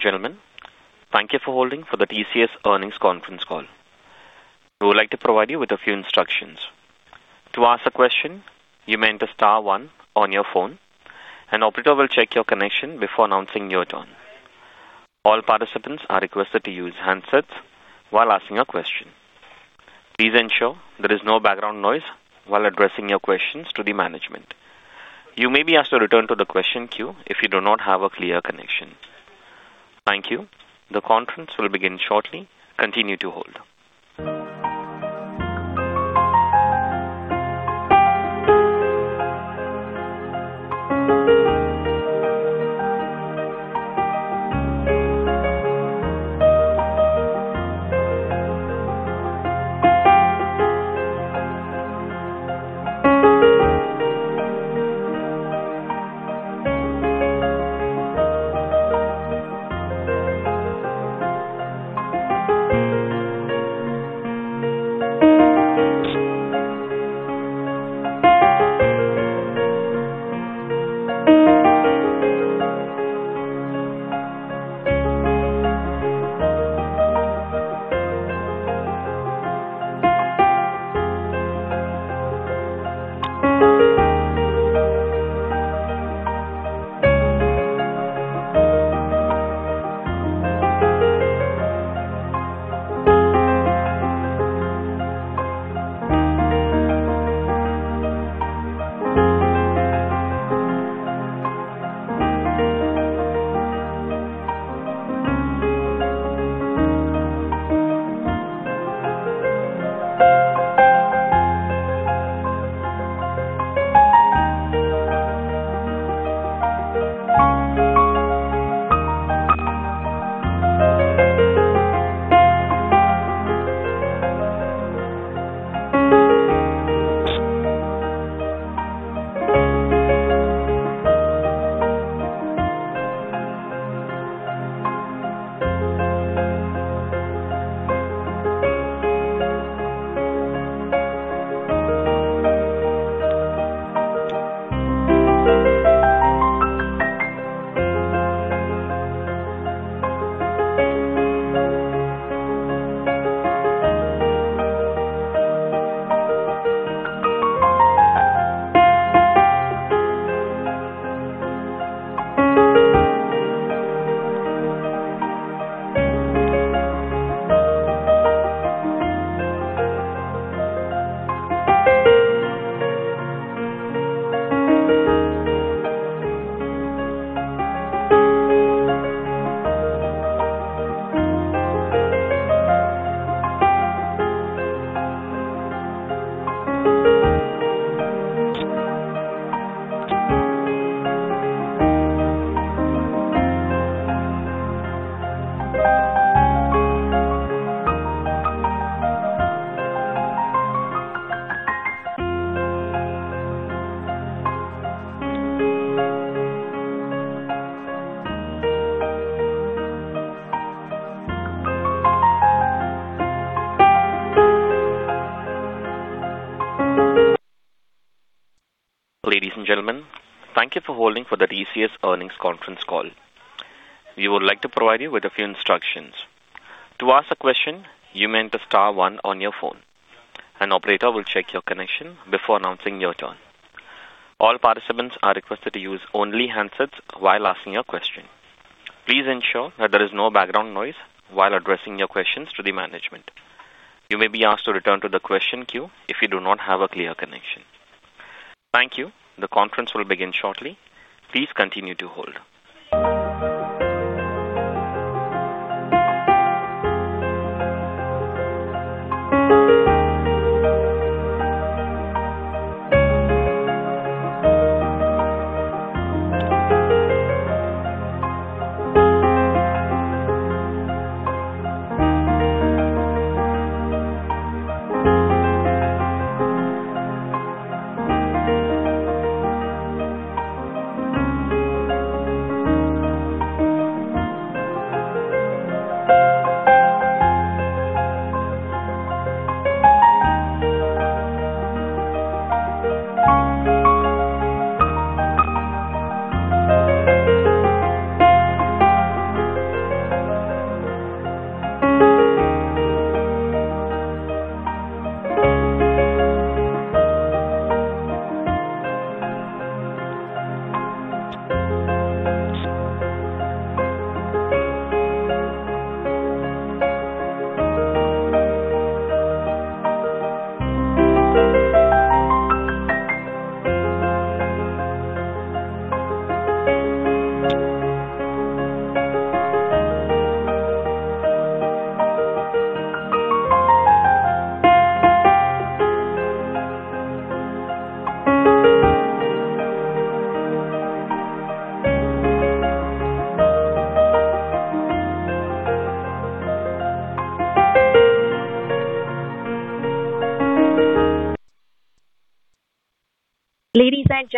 Ladies and gentlemen, thank you for holding for the TCS earnings conference call. We would like to provide you with a few instructions. To ask a question, you may enter star one on your phone, and operator will check your connection before announcing your turn. All participants are requested to use handsets while asking a question. Please ensure there is no background noise while addressing your questions to the management. You may be asked to return to the question queue if you do not have a clear connection. Thank you. All participants are requested to use only handsets while asking your question. Please ensure that there is no background noise while addressing your questions to the management. You may be asked to return to the question queue if you do not have a clear connection. Thank you. The conference will begin shortly. Please continue to hold.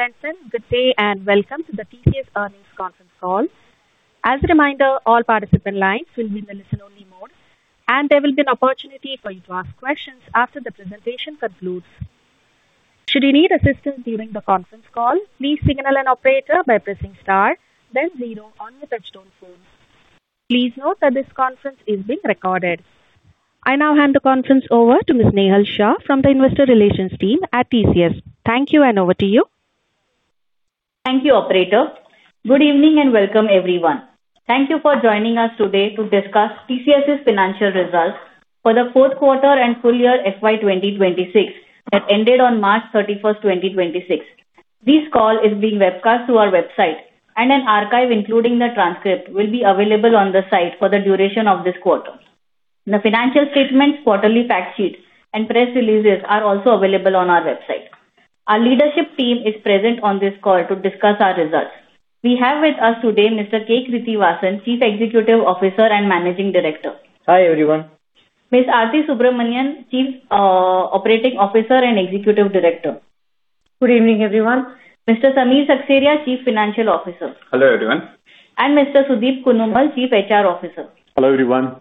Ladies and gentlemen, good day and welcome to the TCS earnings conference call. As a reminder, all participant lines will be in the listen-only mode, and there will be an opportunity for you to ask questions after the presentation concludes. Should you need assistance during the conference call, please signal an operator by pressing star then zero on your touchtone phone. Please note that this conference is being recorded. I now hand the conference over to Ms. Nehal Shah from the investor relations team at TCS. Thank you, and over to you. Thank you, operator. Good evening, and welcome everyone. Thank you for joining us today to discuss TCS's financial results for the fourth quarter and full year FY 2026 that ended on March 31st, 2026. This call is being webcast to our website, and an archive, including the transcript, will be available on the site for the duration of this quarter. The financial statements, quarterly fact sheets, and press releases are also available on our website. Our leadership team is present on this call to discuss our results. We have with us today Mr. K. Krithivasan, Chief Executive Officer and Managing Director. Hi, everyone. Ms. Aarthi Subramanian, Chief Operating Officer and Executive Director. Good evening, everyone. Mr. Samir Seksaria, Chief Financial Officer. Hello, everyone. Mr. Sudeep Kunnumal, Chief HR Officer. Hello, everyone.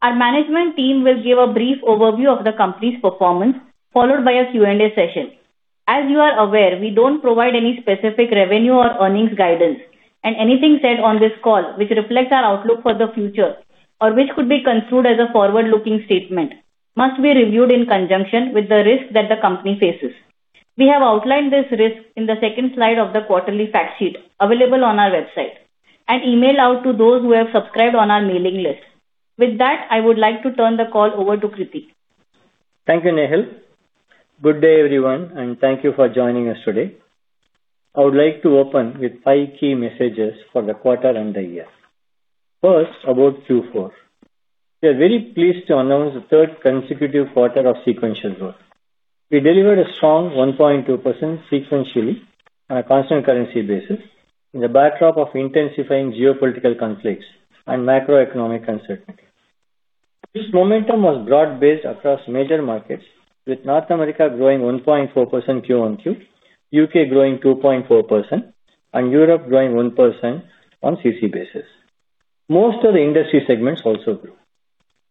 Our management team will give a brief overview of the company's performance, followed by a Q&A session. As you are aware, we don't provide any specific revenue or earnings guidance, and anything said on this call which reflects our outlook for the future or which could be construed as a forward-looking statement must be reviewed in conjunction with the risk that the company faces. We have outlined this risk in the second slide of the quarterly fact sheet available on our website and emailed out to those who have subscribed on our mailing list. With that, I would like to turn the call over to Krithi. Thank you, Nehal. Good day, everyone, and thank you for joining us today. I would like to open with 5 key messages for the quarter and the year. First, about Q4. We are very pleased to announce the third consecutive quarter of sequential growth. We delivered a strong 1.2% sequentially on a constant currency basis in the backdrop of intensifying geopolitical conflicts and macroeconomic uncertainty. This momentum was broad-based across major markets, with North America growing 1.4% QoQ, U.K. growing 2.4%, and Europe growing 1% on CC basis. Most of the industry segments also grew.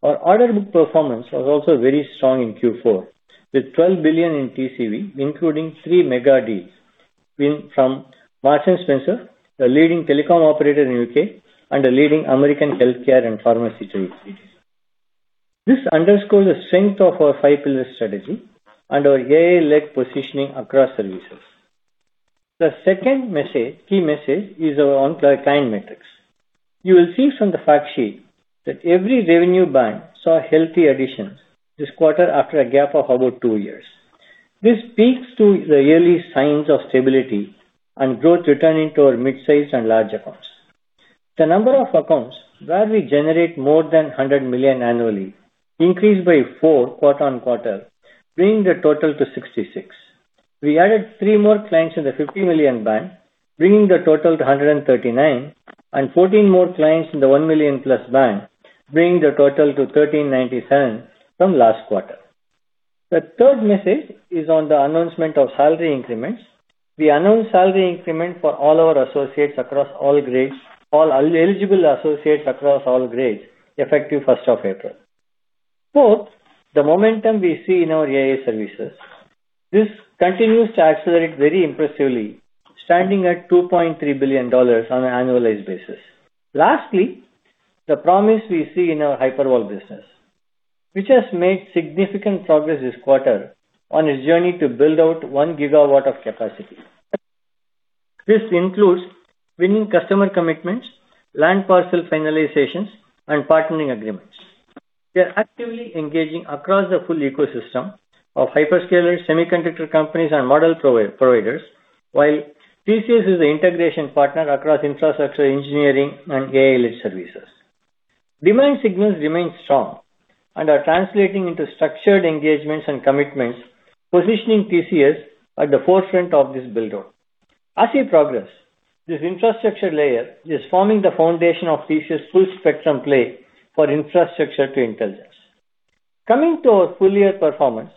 Our order book performance was also very strong in Q4, with $12 billion in TCV, including 3 mega deal wins from Marks & Spencer, the leading telecom operator in U.K., and a leading American healthcare and pharmacy chain. This underscores the strength of our five-pillar strategy and our AI-led positioning across services. The second key message is our client metrics. You will see from the fact sheet that every revenue bank saw healthy additions this quarter after a gap of about 2 years. This speaks to the early signs of stability and growth returning to our midsize and large accounts. The number of accounts where we generate more than $100 million annually increased by 4 quarter-over-quarter, bringing the total to 66. We added 3 more clients in the $50 million band, bringing the total to 139, and 14 more clients in the $1 million plus band, bringing the total to 1,397 from last quarter. The third message is on the announcement of salary increments. We announced salary increment for all our associates across all grades, all eligible associates across all grades, effective 1st of April. Fourth, the momentum we see in our AI services. This continues to accelerate very impressively, standing at $2.3 billion on an annualized basis. Lastly, the promise we see in our HyperVault business, which has made significant progress this quarter on its journey to build out 1 GW of capacity. This includes winning customer commitments, land parcel finalizations, and partnering agreements. We are actively engaging across the full ecosystem of hyperscalers, semiconductor companies, and model providers, while TCS is the integration partner across infrastructure, engineering, and AI-led services. Demand signals remain strong and are translating into structured engagements and commitments, positioning TCS at the forefront of this buildout. As we progress, this infrastructure layer is forming the foundation of TCS full spectrum play for infrastructure to intelligence. Coming to our full year performance,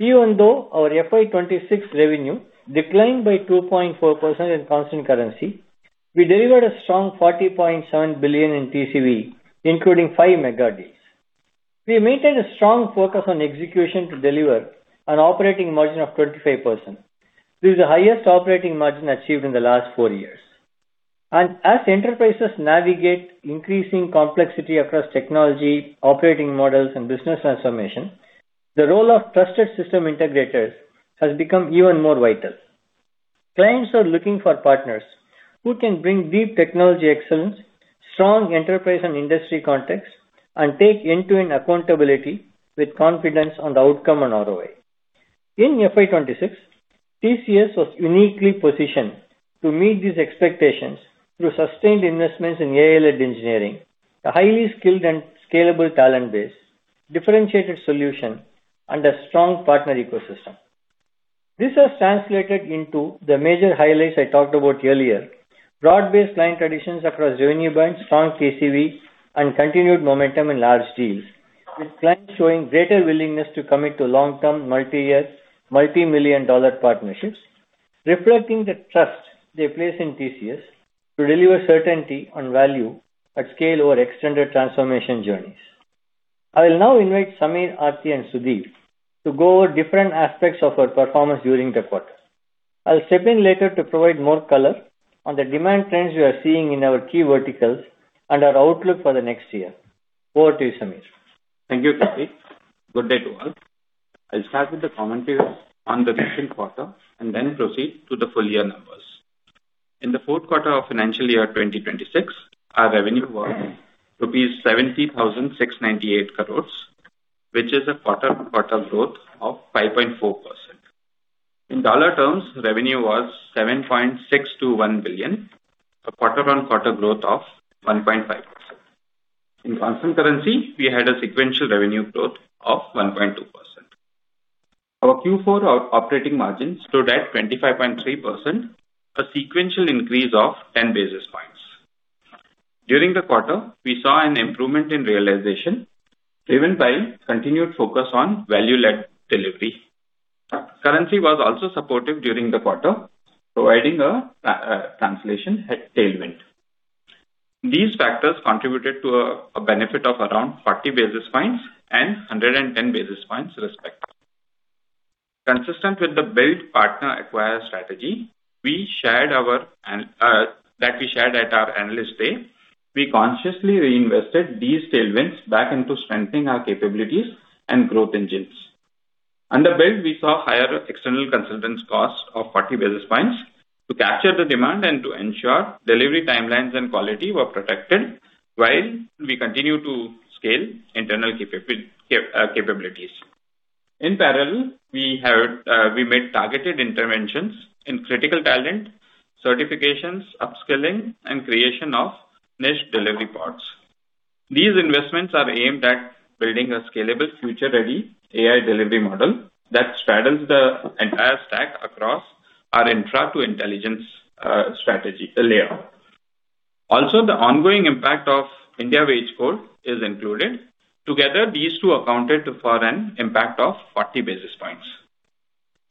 even though our FY 2026 revenue declined by 2.4% in constant currency, we delivered a strong $40.7 billion in TCV, including 5 mega deals. We maintained a strong focus on execution to deliver an operating margin of 25%. This is the highest operating margin achieved in the last 4 years. As enterprises navigate increasing complexity across technology, operating models, and business transformation, the role of trusted system integrators has become even more vital. Clients are looking for partners who can bring deep technology excellence, strong enterprise and industry context, and take end-to-end accountability with confidence on the outcome and ROI. In FY 2026, TCS was uniquely positioned to meet these expectations through sustained investments in AI-led engineering, a highly skilled and scalable talent base, differentiated solution, and a strong partner ecosystem. This has translated into the major highlights I talked about earlier. Broad-based client additions across revenue banks, strong TCV, and continued momentum in large deals, with clients showing greater willingness to commit to long-term, multi-year, multimillion-dollar partnerships, reflecting the trust they place in TCS to deliver certainty on value at scale over extended transformation journeys. I will now invite Samir, Aarthi, and Sudeep to go over different aspects of our performance during the quarter. I'll step in later to provide more color on the demand trends we are seeing in our key verticals and our outlook for the next year. Over to you, Samir. Thank you, Krithi. Good day to all. I'll start with the commentary on the recent quarter and then proceed to the full year numbers. In the fourth quarter of financial year 2026, our revenue was INR 70,698 crores, which is a quarter-on-quarter growth of 5.4%. In dollar terms, revenue was $7.621 billion, a quarter-on-quarter growth of 1.5%. In constant currency, we had a sequential revenue growth of 1.2%. Our Q4 operating margins stood at 25.3%, a sequential increase of 10 basis points. During the quarter, we saw an improvement in realization driven by continued focus on value-led delivery. Currency was also supportive during the quarter, providing a translation tailwind. These factors contributed to a benefit of around 40 basis points and 110 basis points respectively. Consistent with the Build, Partner, Acquire strategy that we shared at our Analyst Day, we consciously reinvested these tailwinds back into strengthening our capabilities and growth engines. Under build, we saw higher external consultants cost of 40 basis points to capture the demand and to ensure delivery timelines and quality were protected while we continue to scale internal capabilities. In parallel, we made targeted interventions in critical talent, certifications, upskilling, and creation of niche delivery pods. These investments are aimed at building a scalable future-ready AI delivery model that straddles the entire stack across our infra to intelligence layer. Also, the ongoing impact of Code on Wages is included. Together, these two accounted for an impact of 40 basis points.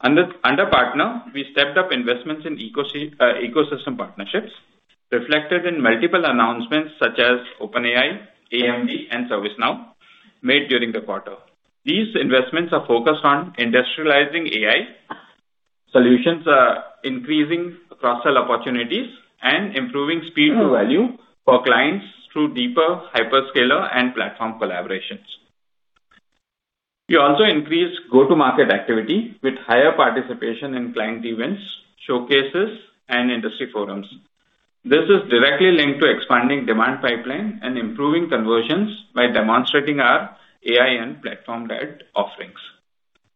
Under partner, we stepped up investments in ecosystem partnerships reflected in multiple announcements such as OpenAI, AMD, and ServiceNow made during the quarter. These investments are focused on industrializing AI solutions, increasing cross-sell opportunities, and improving speed to value for clients through deeper hyperscaler and platform collaborations. We also increased go-to-market activity with higher participation in client events, showcases, and industry forums. This is directly linked to expanding demand pipeline and improving conversions by demonstrating our AI and platform-led offerings.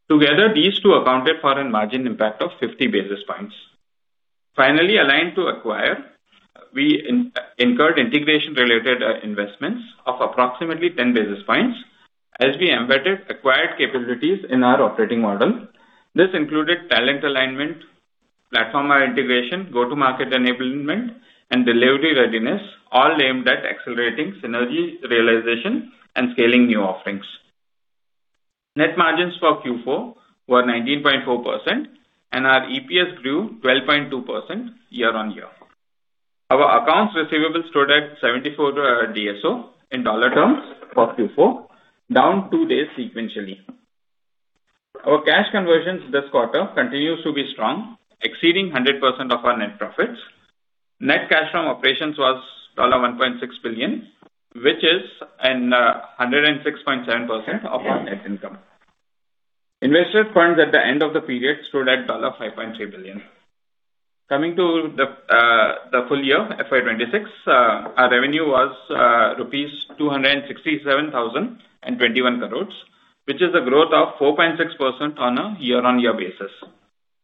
Together, these two accounted for a margin impact of 50 basis points. Finally, aligned to acquire, we incurred integration-related investments of approximately 10 basis points as we embedded acquired capabilities in our operating model. This included talent alignment, platform integration, go-to-market enablement, and delivery readiness, all aimed at accelerating synergy realization and scaling new offerings. Net margins for Q4 were 19.4%, and our EPS grew 12.2% year-on-year. Our accounts receivable stood at 74 DSO in dollar terms for Q4, down 2 days sequentially. Our cash conversions this quarter continues to be strong, exceeding 100% of our net profits. Net cash from operations was $1.6 billion, which is 106.7% of our net income. Investor funds at the end of the period stood at $5.3 billion. Coming to the full year FY 2026, our revenue was rupees 267,021 crores, which is a growth of 4.6% on a year-on-year basis.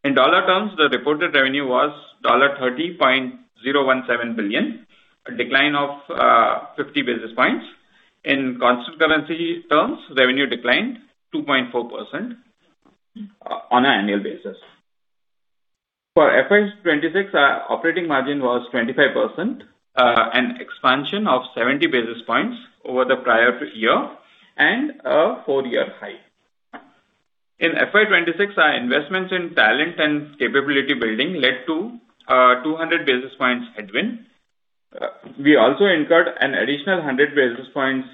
In dollar terms, the reported revenue was $30.017 billion, a decline of 50 basis points. In constant currency terms, revenue declined 2.4% on an annual basis. For FY 2026, our operating margin was 25%, an expansion of 70 basis points over the prior year and a four-year high. In FY 2026, our investments in talent and capability building led to a 200 basis points headwind. We also incurred an additional 100 basis points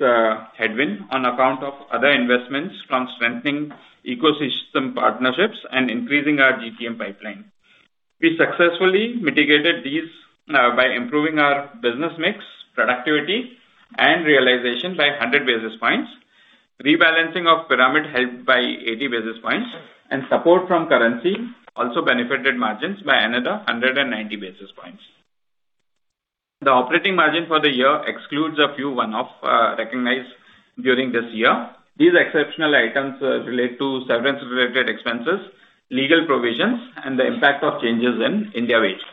headwind on account of other investments from strengthening ecosystem partnerships and increasing our GTM pipeline. We successfully mitigated these by improving our business mix, productivity, and realization by 100 basis points. Rebalancing of pyramid helped by 80 basis points, and support from currency also benefited margins by another 190 basis points. The operating margin for the year excludes a few one-offs recognized during this year. These exceptional items relate to severance-related expenses, legal provisions, and the impact of changes in Code on Wages, 2019.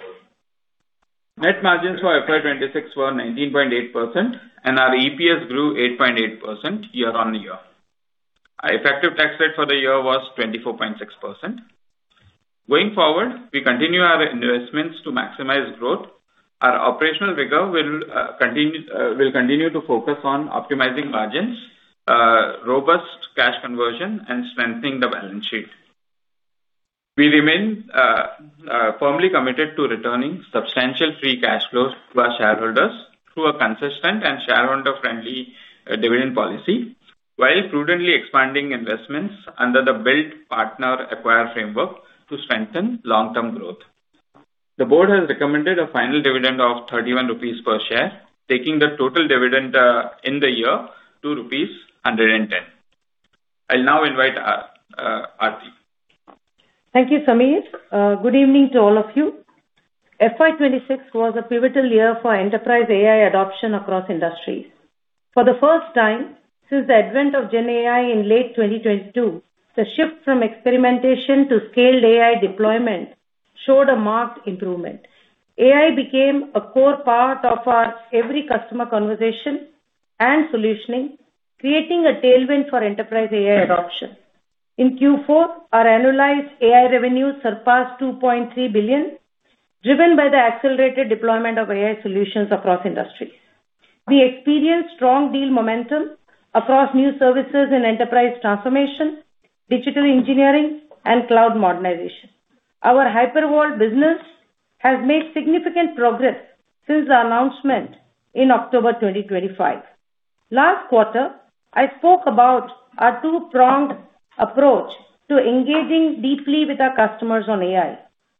Net margins for FY 2026 were 19.8%, and our EPS grew 8.8% year-on-year. Our effective tax rate for the year was 24.6%. Going forward, we continue our investments to maximize growth. Our operational rigor will continue to focus on optimizing margins, robust cash conversion, and strengthening the balance sheet. We remain firmly committed to returning substantial free cash flows to our shareholders through a consistent and shareholder-friendly dividend policy while prudently expanding investments under the Build, Partner, Acquire framework to strengthen long-term growth. The board has recommended a final dividend of 31 rupees per share, taking the total dividend in the year to rupees 110. I'll now invite Aarthi. Thank you, Samir. Good evening to all of you. FY 2026 was a pivotal year for enterprise AI adoption across industries. For the first time since the advent of GenAI in late 2022, the shift from experimentation to scaled AI deployment showed a marked improvement. AI became a core part of our every customer conversation and solutioning, creating a tailwind for enterprise AI adoption. In Q4, our annualized AI revenue surpassed $2.3 billion, driven by the accelerated deployment of AI solutions across industries. We experienced strong deal momentum across new services and enterprise transformation, digital engineering and cloud modernization. Our HyperVault business has made significant progress since our announcement in October 2025. Last quarter, I spoke about our two-pronged approach to engaging deeply with our customers on AI.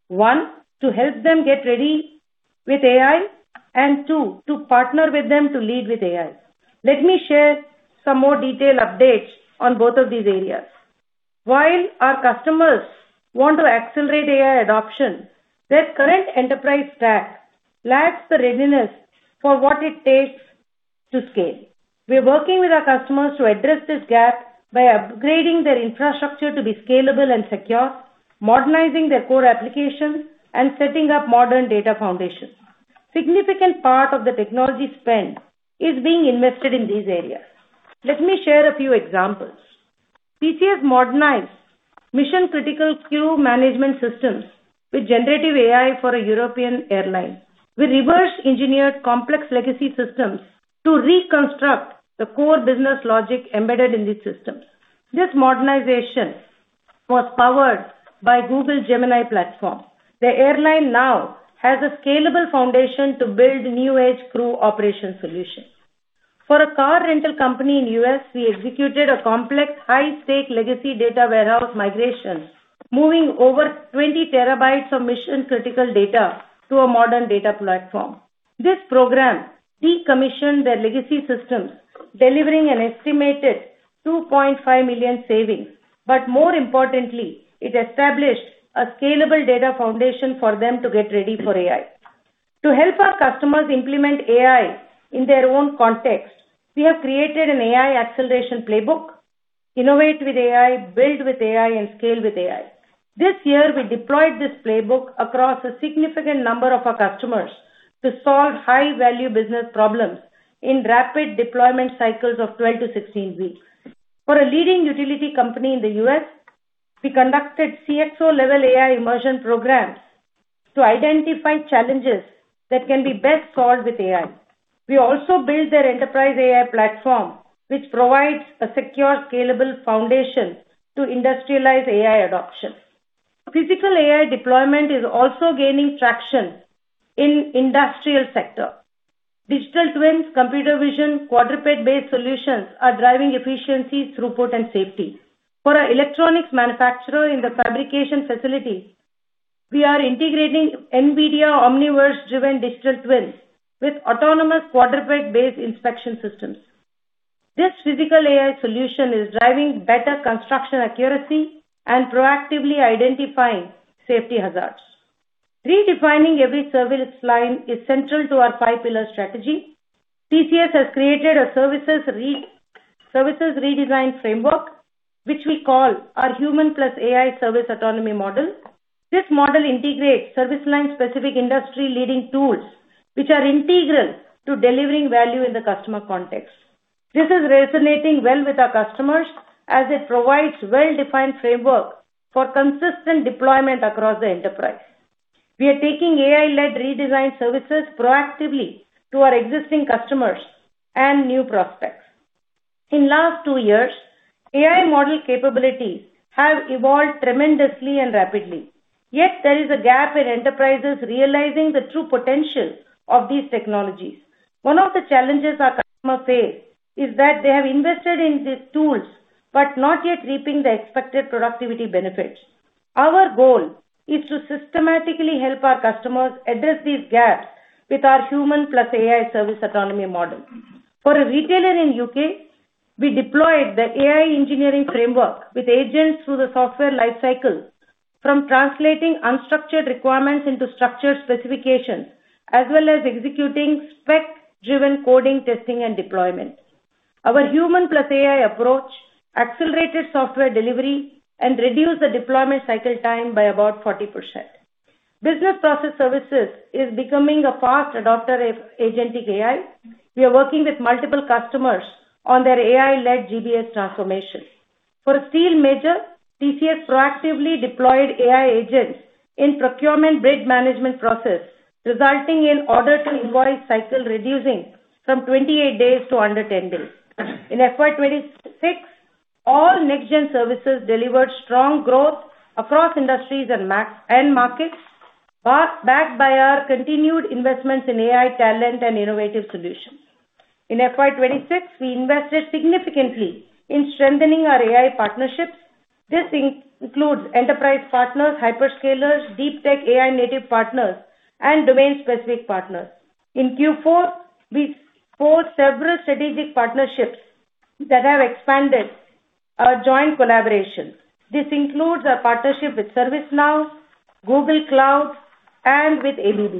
One, to help them get ready with AI, and two, to partner with them to lead with AI. Let me share some more detailed updates on both of these areas. While our customers want to accelerate AI adoption, their current enterprise stack lacks the readiness for what it takes to scale. We are working with our customers to address this gap by upgrading their infrastructure to be scalable and secure, modernizing their core applications, and setting up modern data foundations. Significant part of the technology spend is being invested in these areas. Let me share a few examples. TCS modernized mission-critical queue management systems with generative AI for a European airline. We reverse-engineered complex legacy systems to reconstruct the core business logic embedded in these systems. This modernization was powered by Google Gemini platform. The airline now has a scalable foundation to build new-age crew operation solutions. For a car rental company in U.S., we executed a complex, high-stake legacy data warehouse migration, moving over 20 TB of mission-critical data to a modern data platform. This program decommissioned their legacy systems, delivering an estimated $2.5 million savings, but more importantly, it established a scalable data foundation for them to get ready for AI. To help our customers implement AI in their own context, we have created an AI acceleration playbook, innovate with AI, build with AI, and scale with AI. This year, we deployed this playbook across a significant number of our customers to solve high-value business problems in rapid deployment cycles of 12-16 weeks. For a leading utility company in the U.S., we conducted CXO-level AI immersion programs to identify challenges that can be best solved with AI. We also built their enterprise AI platform, which provides a secure, scalable foundation to industrialize AI adoption. Physical AI deployment is also gaining traction in industrial sector. Digital twins, computer vision, quadruped-based solutions are driving efficiency, throughput, and safety. For our electronics manufacturer in the fabrication facility, we are integrating NVIDIA Omniverse-driven digital twins with autonomous quadruped-based inspection systems. This physical AI solution is driving better construction accuracy and proactively identifying safety hazards. Redefining every service line is central to our five-pillar strategy. TCS has created a services redesign framework, which we call our Human+AI service autonomy model. This model integrates service line-specific industry-leading tools which are integral to delivering value in the customer context. This is resonating well with our customers as it provides well-defined framework for consistent deployment across the enterprise. We are taking AI-led redesigned services proactively to our existing customers and new prospects. In last two years, AI model capabilities have evolved tremendously and rapidly. Yet there is a gap in enterprises realizing the true potential of these technologies. One of the challenges our customers face is that they have invested in these tools, but not yet reaping the expected productivity benefits. Our goal is to systematically help our customers address these gaps with our Human + AI service autonomy model. For a retailer in U.K., we deployed the AI engineering framework with agents through the software lifecycle from translating unstructured requirements into structured specifications, as well as executing spec-driven coding, testing and deployment. Our Human + AI approach accelerated software delivery and reduced the deployment cycle time by about 40%. Business process services is becoming a fast adopter of agentic AI. We are working with multiple customers on their AI-led GBS transformation. For a steel major, TCS proactively deployed AI agents in procurement bid management process, resulting in order-to-invoice cycle reducing from 28 days to under 10 days. In FY 2026 all next gen services delivered strong growth across industries and markets, backed by our continued investments in AI talent and innovative solutions. In FY 2026, we invested significantly in strengthening our AI partnerships. This includes enterprise partners, hyperscalers, deep tech AI native partners, and domain specific partners. In Q4, we forged several strategic partnerships that have expanded our joint collaboration. This includes our partnership with ServiceNow, Google Cloud, and with ABB.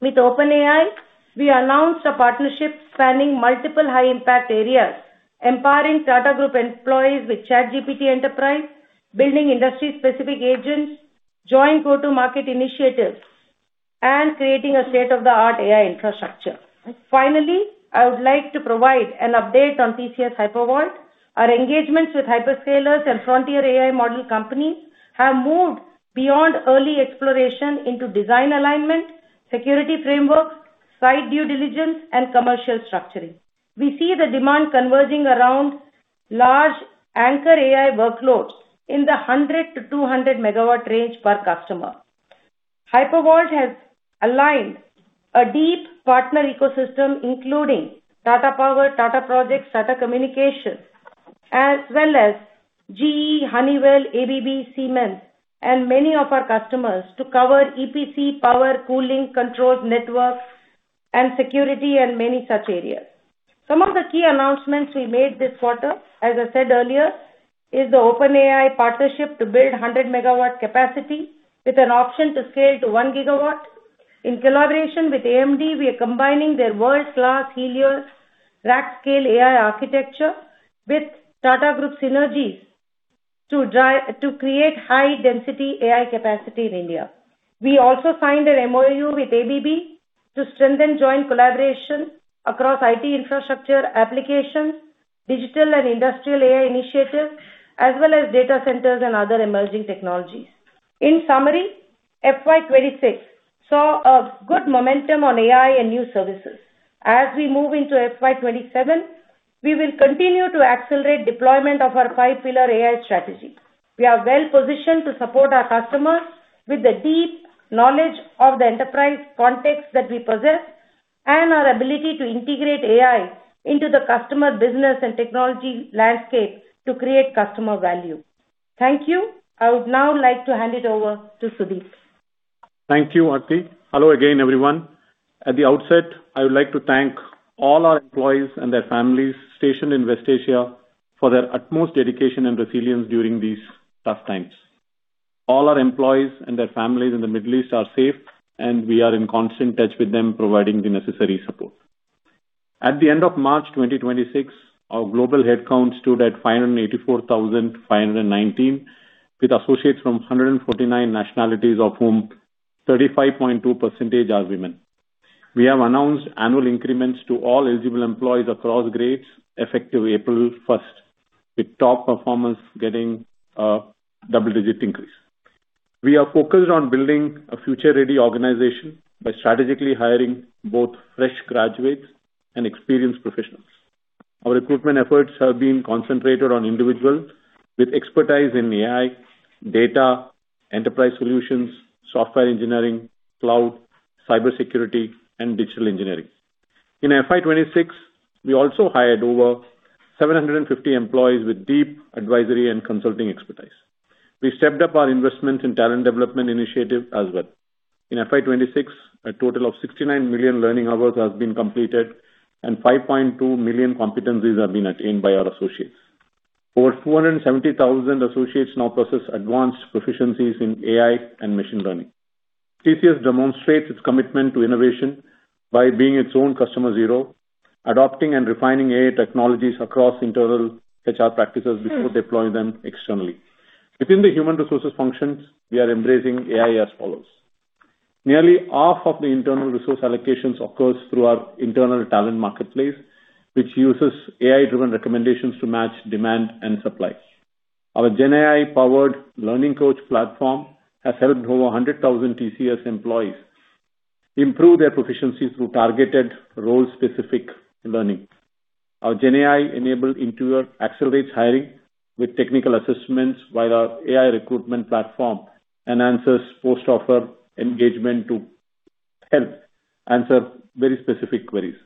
With OpenAI, we announced a partnership spanning multiple high impact areas, empowering Tata Group employees with ChatGPT Enterprise, building industry specific agents, joint go-to-market initiatives, and creating a state-of-the-art AI infrastructure. Finally, I would like to provide an update on TCS HyperVault. Our engagements with hyperscalers and frontier AI model companies have moved beyond early exploration into design alignment, security frameworks, site due diligence, and commercial structuring. We see the demand converging around large anchor AI workloads in the 100-200 MW range per customer. HyperVault has aligned a deep partner ecosystem including Tata Power, Tata Projects, Tata Communications, as well as GE, Honeywell, ABB, Siemens, and many of our customers to cover EPC power, cooling, controls, networks, and security, and many such areas. Some of the key announcements we made this quarter, as I said earlier, is the OpenAI partnership to build 100 MW capacity with an option to scale to 1 GW. In collaboration with AMD, we are combining their world-class Helios rack-scale AI architecture with Tata Group synergies to create high-density AI capacity in India. We also signed an MoU with ABB to strengthen joint collaboration across IT infrastructure applications, digital and industrial AI initiatives, as well as data centers and other emerging technologies. In summary, FY 2026 saw a good momentum on AI and new services. As we move into FY 2027, we will continue to accelerate deployment of our five pillar AI strategy. We are well-positioned to support our customers with the deep knowledge of the enterprise context that we possess and our ability to integrate AI into the customer business and technology landscape to create customer value. Thank you. I would now like to hand it over to Sudeep. Thank you, Aarthi. Hello again, everyone. At the outset, I would like to thank all our employees and their families stationed in West Asia for their utmost dedication and resilience during these tough times. All our employees and their families in the Middle East are safe, and we are in constant touch with them, providing the necessary support. At the end of March 2026, our global headcount stood at 584,519, with associates from 149 nationalities, of whom 35.2% are women. We have announced annual increments to all eligible employees across grades effective April 1st, with top performers getting a double-digit increase. We are focused on building a future-ready organization by strategically hiring both fresh graduates and experienced professionals. Our recruitment efforts have been concentrated on individuals with expertise in AI, data, enterprise solutions, software engineering, cloud, cybersecurity, and digital engineering. In FY 2026, we also hired over 750 employees with deep advisory and consulting expertise. We stepped up our investment in talent development initiatives as well. In FY 2026, a total of 69 million learning hours has been completed, and 5.2 million competencies have been attained by our associates. Over 270,000 associates now possess advanced proficiencies in AI and machine learning. TCS demonstrates its commitment to innovation by being its own customer zero, adopting and refining AI technologies across internal HR practices before deploying them externally. Within the human resources functions, we are embracing AI as follows. Nearly half of the internal resource allocations occurs through our internal talent marketplace, which uses AI-driven recommendations to match demand and supply. Our GenAI powered learning coach platform has helped over 100,000 TCS employees improve their proficiency through targeted role-specific learning. Our GenAI enabled interviewer accelerates hiring with technical assessments while our AI recruitment platform enhances post-offer engagement to help answer very specific queries.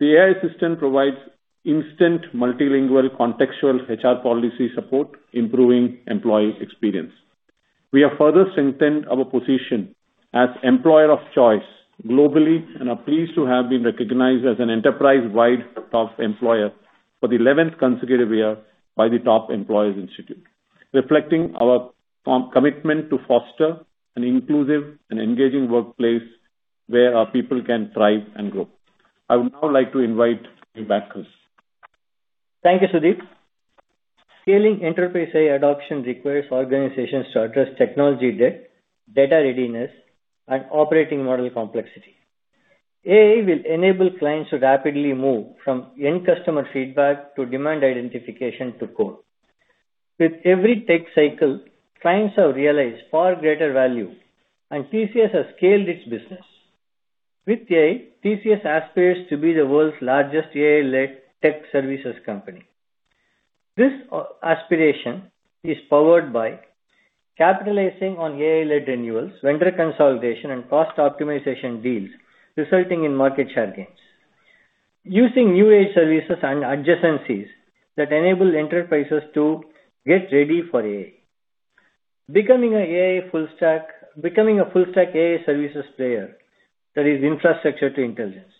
The AI assistant provides instant multilingual contextual HR policy support, improving employee experience. We have further strengthened our position as employer of choice globally and are pleased to have been recognized as an enterprise-wide top employer for the eleventh consecutive year by the Top Employers Institute, reflecting our commitment to foster an inclusive and engaging workplace where our people can thrive and grow. I would now like to invite K. Krithivasan. Thank you, Sudeep. Scaling enterprise AI adoption requires organizations to address technology debt, data readiness, and operating model complexity. AI will enable clients to rapidly move from end customer feedback to demand identification to code. With every tech cycle, clients have realized far greater value, and TCS has scaled its business. With AI, TCS aspires to be the world's largest AI-led tech services company. This aspiration is powered by capitalizing on AI-led renewals, vendor consolidation, and cost optimization deals, resulting in market share gains using new AI services and adjacencies that enable enterprises to get ready for AI, becoming a full stack AI services player, that is infrastructure to intelligence,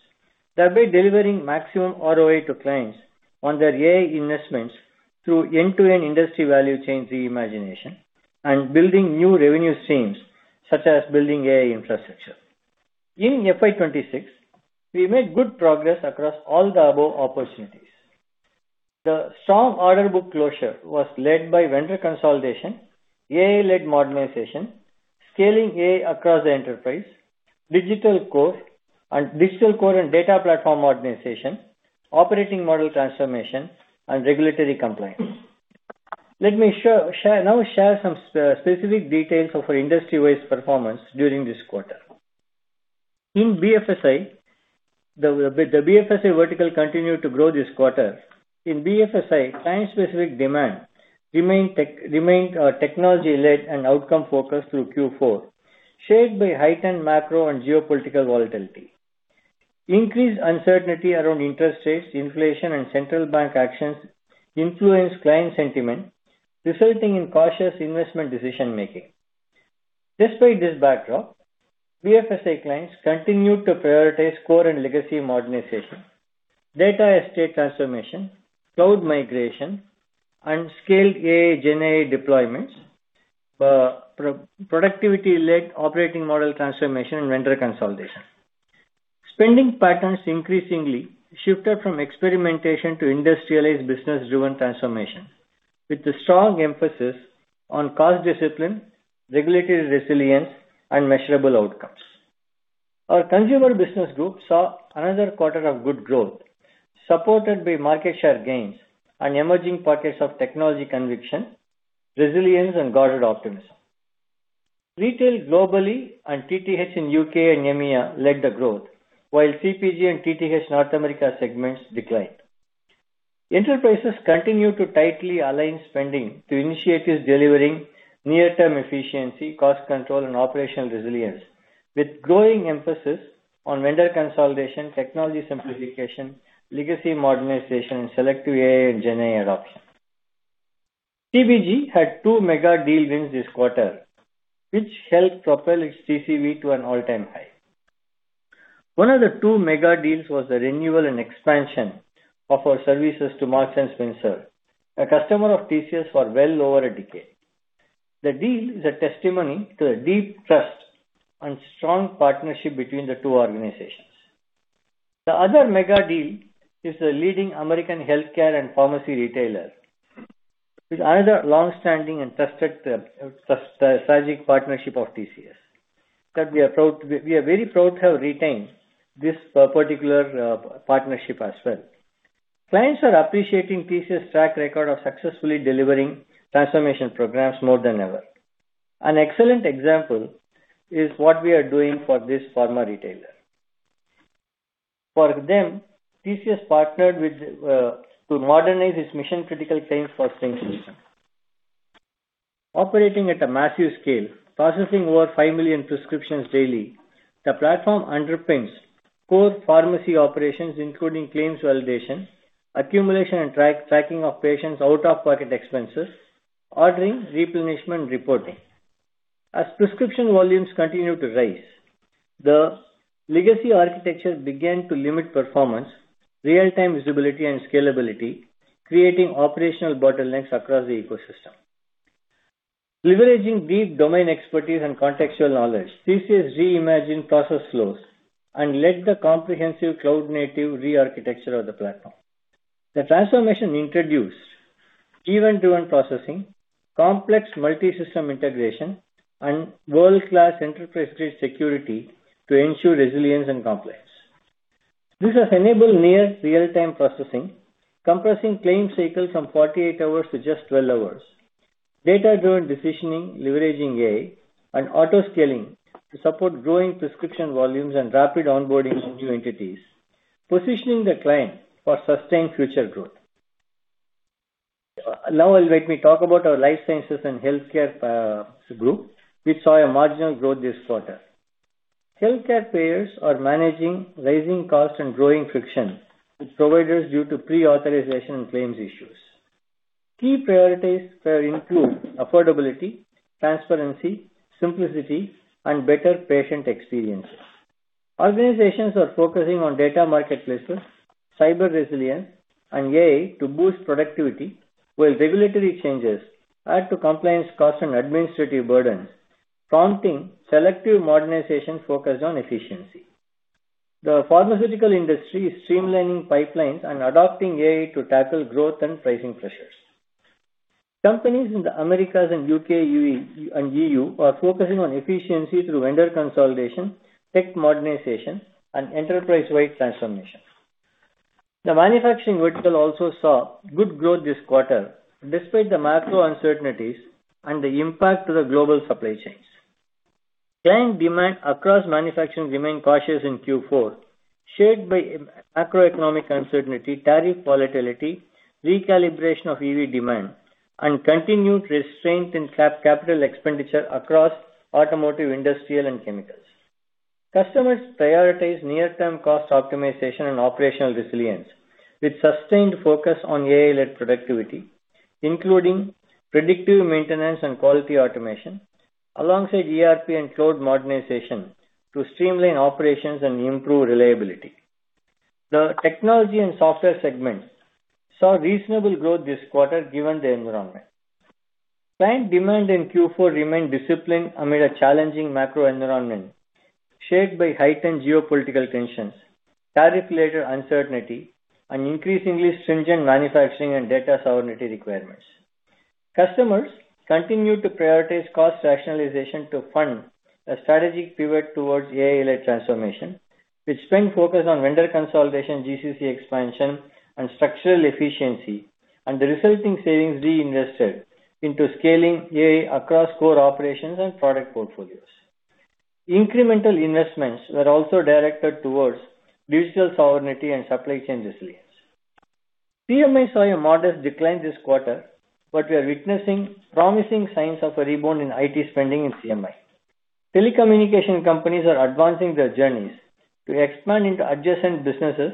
thereby delivering maximum ROI to clients on their AI investments through end-to-end industry value chain reimagination and building new revenue streams, such as building AI infrastructure. In FY 2026, we made good progress across all the above opportunities. The strong order book closure was led by vendor consolidation, AI-led modernization, scaling AI across the enterprise, digital core and data platform organization, operating model transformation, and regulatory compliance. Let me now share some specific details of our industry-wide performance during this quarter. In BFSI, the BFSI vertical continued to grow this quarter. In BFSI, client-specific demand remained technology-led and outcome-focused through Q4, shaped by heightened macro and geopolitical volatility. Increased uncertainty around interest rates, inflation, and central bank actions influenced client sentiment, resulting in cautious investment decision-making. Despite this backdrop, BFSI clients continued to prioritize core and legacy modernization, data estate transformation, cloud migration, and scaled AI, GenAI deployments, productivity-led operating model transformation, and vendor consolidation. Spending patterns increasingly shifted from experimentation to industrialized, business-driven transformation with a strong emphasis on cost discipline, regulatory resilience, and measurable outcomes. Our consumer business group saw another quarter of good growth supported by market share gains and emerging pockets of technology conviction, resilience, and guarded optimism. Retail globally and TTH in U.K. and EMEA led the growth, while CPG and TTH North America segments declined. Enterprises continue to tightly align spending to initiatives delivering near-term efficiency, cost control, and operational resilience, with growing emphasis on vendor consolidation, technology simplification, legacy modernization, and selective AI and GenAI adoption. CPG had two mega deal wins this quarter, which helped propel its TCV to an all-time high. One of the two mega deals was the renewal and expansion of our services to Marks & Spencer, a customer of TCS for well over a decade. The deal is a testimony to the deep trust and strong partnership between the two organizations. The other mega deal is the leading American healthcare and pharmacy retailer, with another long-standing and trusted strategic partnership of TCS, that we are very proud to have retained this particular partnership as well. Clients are appreciating TCS' track record of successfully delivering transformation programs more than ever. An excellent example is what we are doing for this pharma retailer. For them, TCS partnered to modernize its mission-critical claims processing solution. Operating at a massive scale, processing over 5 million prescriptions daily, the platform underpins core pharmacy operations, including claims validation, accumulation, and tracking of patients' out-of-pocket expenses, ordering, replenishment, and reporting. As prescription volumes continued to rise, the legacy architecture began to limit performance, real-time visibility, and scalability, creating operational bottlenecks across the ecosystem. Leveraging deep domain expertise and contextual knowledge, TCS reimagined process flows and led the comprehensive cloud-native rearchitecture of the platform. The transformation introduced event-driven processing, complex multi-system integration, and world-class enterprise-grade security to ensure resilience and compliance. This has enabled near real-time processing, compressing claim cycles from 48 hours to just 12 hours. Data-driven decisioning, leveraging AI and auto-scaling to support growing prescription volumes and rapid onboarding of new entities, positioning the client for sustained future growth. Now, let me talk about our life sciences and healthcare group, which saw a marginal growth this quarter. Healthcare payers are managing rising costs and growing friction with providers due to pre-authorization and claims issues. Key priorities here include affordability, transparency, simplicity, and better patient experiences. Organizations are focusing on data marketplaces, cyber resilience, and AI to boost productivity, while regulatory changes add to compliance costs and administrative burdens, prompting selective modernization focused on efficiency. The pharmaceutical industry is streamlining pipelines and adopting AI to tackle growth and pricing pressures. Companies in the Americas and U.K. and EU are focusing on efficiency through vendor consolidation, tech modernization, and enterprise-wide transformation. The manufacturing vertical also saw good growth this quarter despite the macro uncertainties and the impact to the global supply chains. Client demand across manufacturing remained cautious in Q4, shaped by macroeconomic uncertainty, tariff volatility, recalibration of EV demand, and continued restraint in capital expenditure across automotive, industrial and chemicals. Customers prioritize near-term cost optimization and operational resilience with sustained focus on AI-led productivity, including predictive maintenance and quality automation, alongside ERP and cloud modernization to streamline operations and improve reliability. The technology and software segments saw reasonable growth this quarter given the environment. Client demand in Q4 remained disciplined amid a challenging macro environment, shaped by heightened geopolitical tensions, tariff-related uncertainty, and increasingly stringent manufacturing and data sovereignty requirements. Customers continued to prioritize cost rationalization to fund a strategic pivot towards AI-led transformation, with spend focused on vendor consolidation, GCC expansion, and structural efficiency, and the resulting savings reinvested into scaling AI across core operations and product portfolios. Incremental investments were also directed towards digital sovereignty and supply chain resilience. CMI saw a modest decline this quarter, but we are witnessing promising signs of a rebound in IT spending in CMI. Telecommunication companies are advancing their journeys to expand into adjacent businesses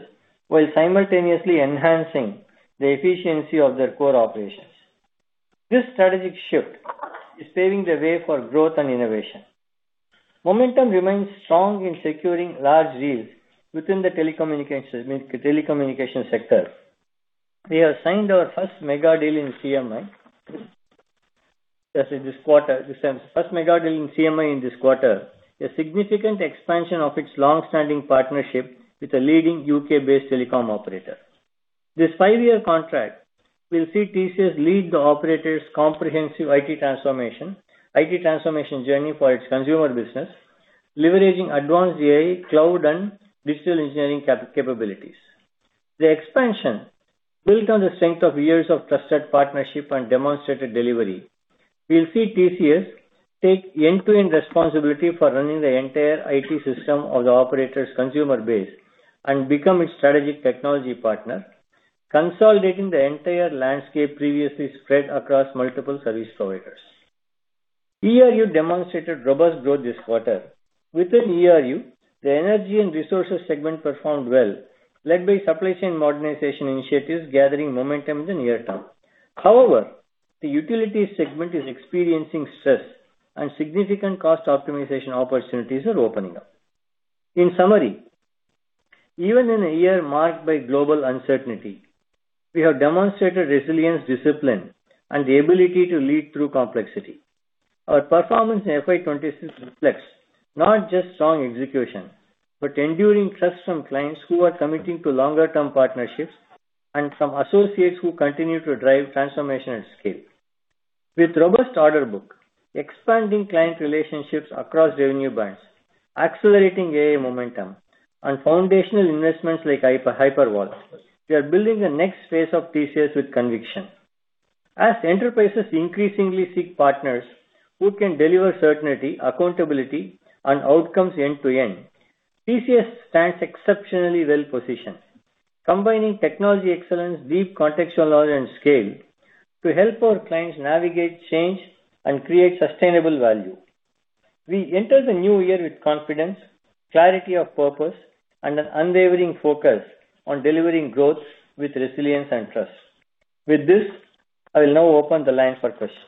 while simultaneously enhancing the efficiency of their core operations. This strategic shift is paving the way for growth and innovation. Momentum remains strong in securing large deals within the telecommunications sector. We have signed our first mega deal in CMI in this quarter, a significant expansion of its long-standing partnership with a leading U.K.-based telecom operator. This five-year contract will see TCS lead the operator's comprehensive IT transformation journey for its consumer business, leveraging advanced AI, cloud, and digital engineering capabilities. The expansion, built on the strength of years of trusted partnership and demonstrated delivery, will see TCS take end-to-end responsibility for running the entire IT system of the operator's consumer base and become its strategic technology partner, consolidating the entire landscape previously spread across multiple service providers. ERU demonstrated robust growth this quarter. Within ERU, the energy and resources segment performed well, led by supply chain modernization initiatives gathering momentum in the near term. However, the utility segment is experiencing stress and significant cost optimization opportunities are opening up. In summary, even in a year marked by global uncertainty, we have demonstrated resilience, discipline, and the ability to lead through complexity. Our performance in FY 2026 reflects not just strong execution, but enduring trust from clients who are committing to longer-term partnerships and from associates who continue to drive transformation at scale. With robust order book, expanding client relationships across revenue bands, accelerating AI momentum, and foundational investments like HyperVault, we are building the next phase of TCS with conviction. As enterprises increasingly seek partners who can deliver certainty, accountability, and outcomes end to end, TCS stands exceptionally well-positioned, combining technology excellence, deep contextual knowledge, and scale to help our clients navigate change and create sustainable value. We enter the new year with confidence, clarity of purpose, and an unwavering focus on delivering growth with resilience and trust. With this, I will now open the line for questions.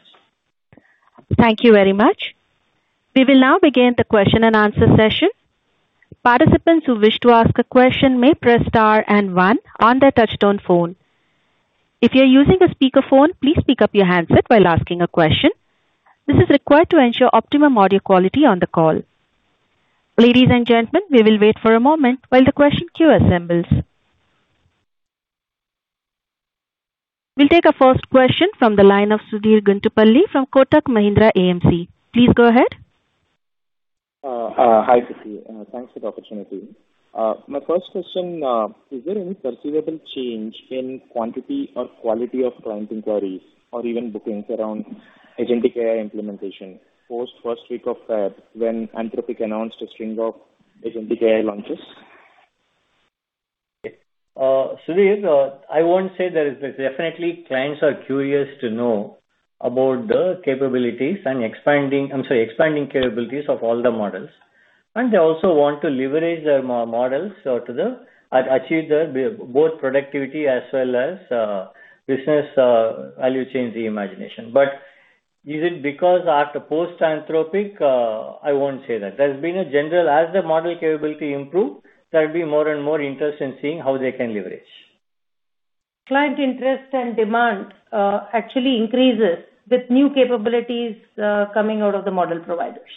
Thank you very much. We will now begin the question and answer session. Participants who wish to ask a question may press star and one on their touch-tone phone. If you're using a speakerphone, please pick up your handset while asking a question. This is required to ensure optimum audio quality on the call. Ladies and gentlemen, we will wait for a moment while the question queue assembles. We'll take a first question from the line of Sudheer Guntupalli from Kotak Mahindra AMC. Please go ahead. Hi, Krithi. Thanks for the opportunity. My first question is there any perceivable change in quantity or quality of client inquiries or even bookings around agentic AI implementation post first week of February when Anthropic announced a string of agentic AI launches? Sudheer, I won't say there is. Definitely, clients are curious to know about the expanding capabilities of all the models, and they also want to leverage their models to achieve both productivity as well as business value chain reimagination. Is it because after post Anthropic? I won't say that. As the model capability improve, there'll be more and more interest in seeing how they can leverage. Client interest and demand actually increases with new capabilities coming out of the model providers.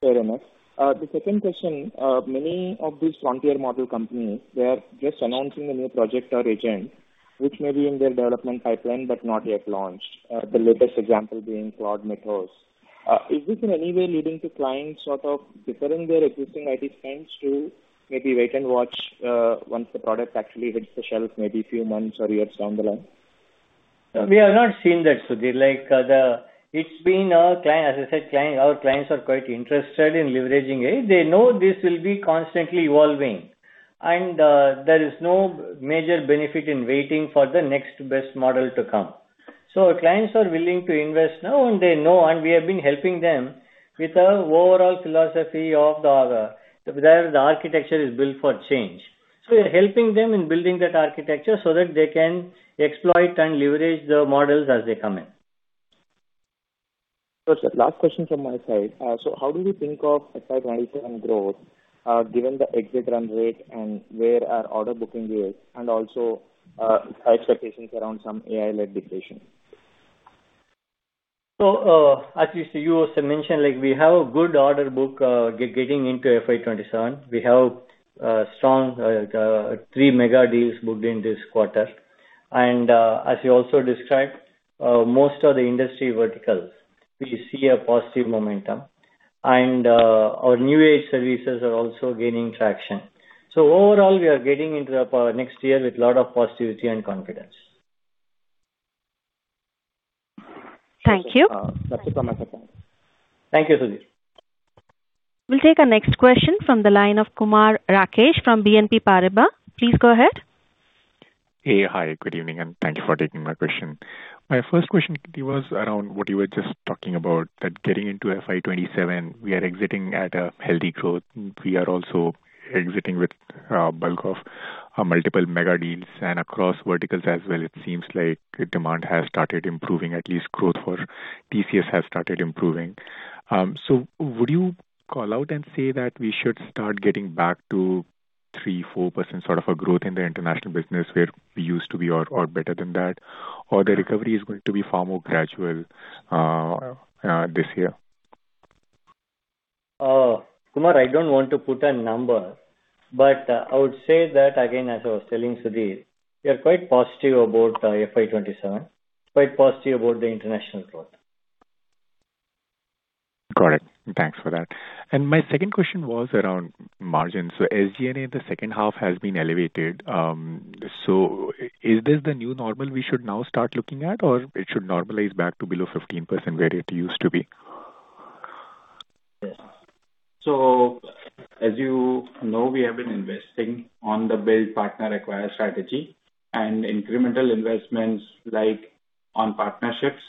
Fair enough. The second question, many of these frontier model companies, they are just announcing a new project or agent, which may be in their development pipeline but not yet launched. The latest example being Claude 3 Opus. Is this in any way leading to clients sort of deferring their existing IT spends to maybe wait and watch once the product actually hits the shelf, maybe few months or years down the line? We have not seen that, Sudheer. As I said, our clients are quite interested in leveraging AI. They know this will be constantly evolving, and there is no major benefit in waiting for the next best model to come. Clients are willing to invest now and they know, and we have been helping them with the overall philosophy of where the architecture is built for change. We are helping them in building that architecture so that they can exploit and leverage the models as they come in. Last question from my side. How do we think of FY 2027 growth, given the exit run rate and where are order booking rates and also high expectations around some AI-led deflation? As you also mentioned, we have a good order book getting into FY 2027. We have strong three mega deals booked in this quarter. As you also described, most of the industry verticals, we see a positive momentum. Our new age services are also gaining traction. Overall, we are getting into our next year with lot of positivity and confidence. Thank you. That's it from my side. Thank you, Sudheer. We'll take our next question from the line of Kumar Rakesh from BNP Paribas. Please go ahead. Hey. Hi, good evening, and thank you for taking my question. My first question to you was around what you were just talking about, that getting into FY 2027, we are exiting at a healthy growth. We are also exiting with bulk of multiple mega deals and across verticals as well. It seems like demand has started improving, at least growth for TCS has started improving. So would you call out and say that we should start getting back to 3%, 4% sort of a growth in the international business where we used to be, or better than that? The recovery is going to be far more gradual this year? Kumar, I don't want to put a number, but I would say that, again, as I was telling Sudheer, we are quite positive about FY 2027, quite positive about the international growth. Got it. Thanks for that. My second question was around margins. SG&A in the second half has been elevated. Is this the new normal we should now start looking at, or it should normalize back to below 15% where it used to be? As you know, we have been investing on the Build, Partner, Acquire strategy, and incremental investments like on partnerships,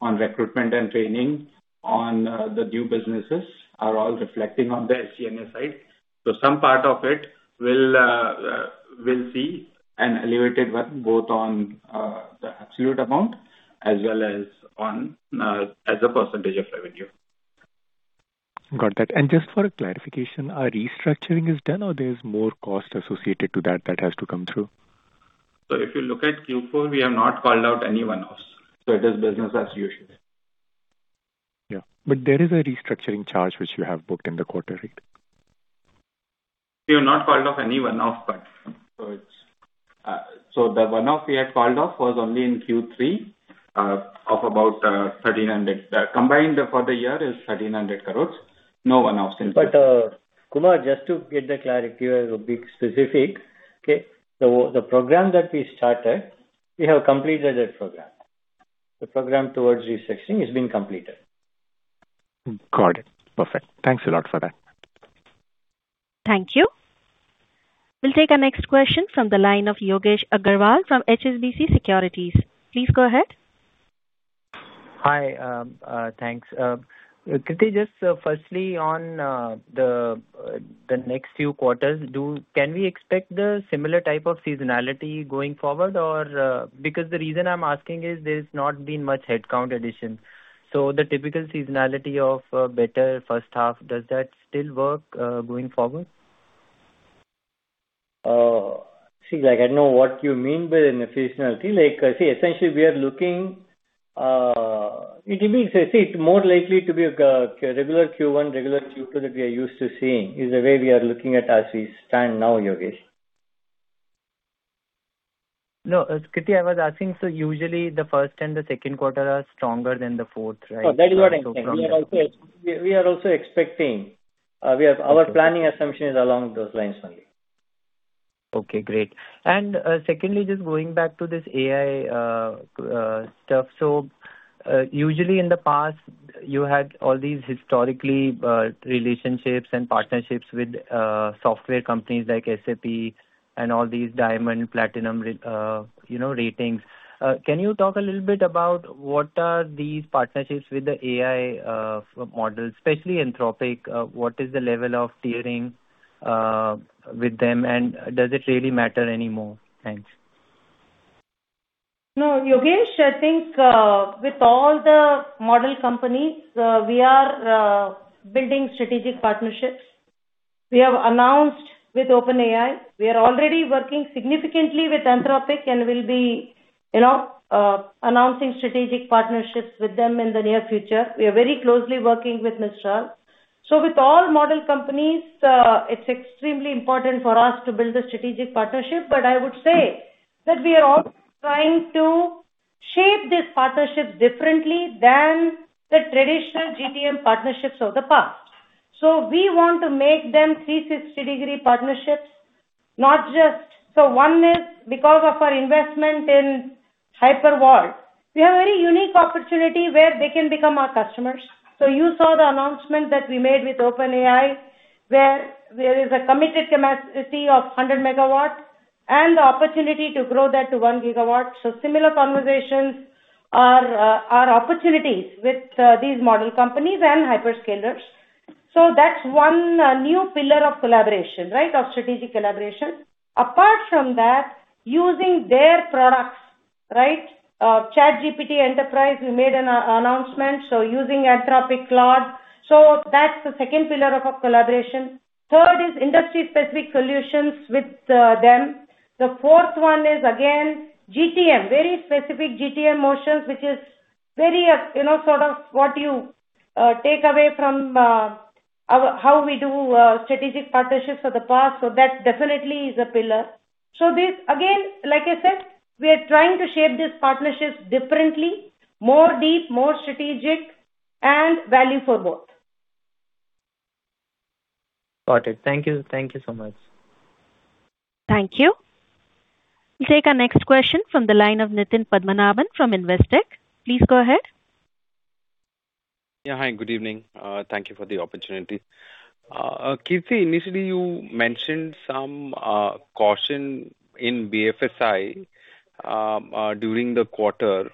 on recruitment and training, on the new businesses are all reflecting on the SG&A side. Some part of it we'll see an elevated one, both on the absolute amount as well as a percentage of revenue. Got that. Just for clarification, our restructuring is done or there's more cost associated to that has to come through? If you look at Q4, we have not called out any one-offs. It is business as usual. Yeah. There is a restructuring charge which you have booked in the quarter, right? We have not called off any one-off. The one-off we had called off was only in Q3. Combined for the year is 1,300 crores. No one-offs since. Kumar, just to get the clarity or be specific. Okay. The program that we started, we have completed that program. The program towards restructuring has been completed. Got it. Perfect. Thanks a lot for that. Thank you. We'll take our next question from the line of Yogesh Aggarwal from HSBC Securities. Please go ahead. Hi. Thanks. K. Krithivasan, just firstly on the next few quarters, can we expect the similar type of seasonality going forward? Because the reason I'm asking is there's not been much headcount addition. The typical seasonality of a better first half, does that still work going forward? See, I know what you mean by the seasonality. See, it will be more likely to be a regular Q1, regular Q2 that we are used to seeing, is the way we are looking at as we stand now, Yogesh. No, Krithi, I was asking, so usually the first and the second quarter are stronger than the fourth, right? That is what I'm saying. We are also expecting. Our planning assumption is along those lines only. Okay, great. Secondly, just going back to this AI stuff. Usually in the past you had all these historical relationships and partnerships with software companies like SAP and all these diamond, platinum ratings. Can you talk a little bit about what are these partnerships with the AI models, especially Anthropic? What is the level of tiering with them, and does it really matter anymore? Thanks. No, Yogesh, I think with all the model companies, we are building strategic partnerships. We have announced with OpenAI. We are already working significantly with Anthropic and will be announcing strategic partnerships with them in the near future. We are very closely working with Mistral. With all model companies, it's extremely important for us to build a strategic partnership. I would say that we are also trying to shape these partnerships differently than the traditional GTM partnerships of the past. We want to make them 360-degree partnerships, not just one, because of our investment in HyperVault, we have a very unique opportunity where they can become our customers. You saw the announcement that we made with OpenAI, where there is a committed capacity of 100 MW and the opportunity to grow that to 1 GW. Similar conversations are opportunities with these model companies and hyperscalers. That's one new pillar of collaboration, right? Of strategic collaboration. Apart from that, using their products. ChatGPT Enterprise, we made an announcement. Using Anthropic Claude. That's the second pillar of our collaboration. Third is industry specific solutions with them. The fourth one is again, GTM, very specific GTM motions, which is very sort of what you take away from how we do strategic partnerships for the past. That definitely is a pillar. This, again, like I said, we are trying to shape these partnerships differently, more deep, more strategic, and value for both. Got it. Thank you so much. Thank you. We'll take our next question from the line of Nitin Padmanabhan from Investec. Please go ahead. Yeah. Hi, good evening. Thank you for the opportunity. K. Krithivasan, initially you mentioned some caution in BFSI during the quarter.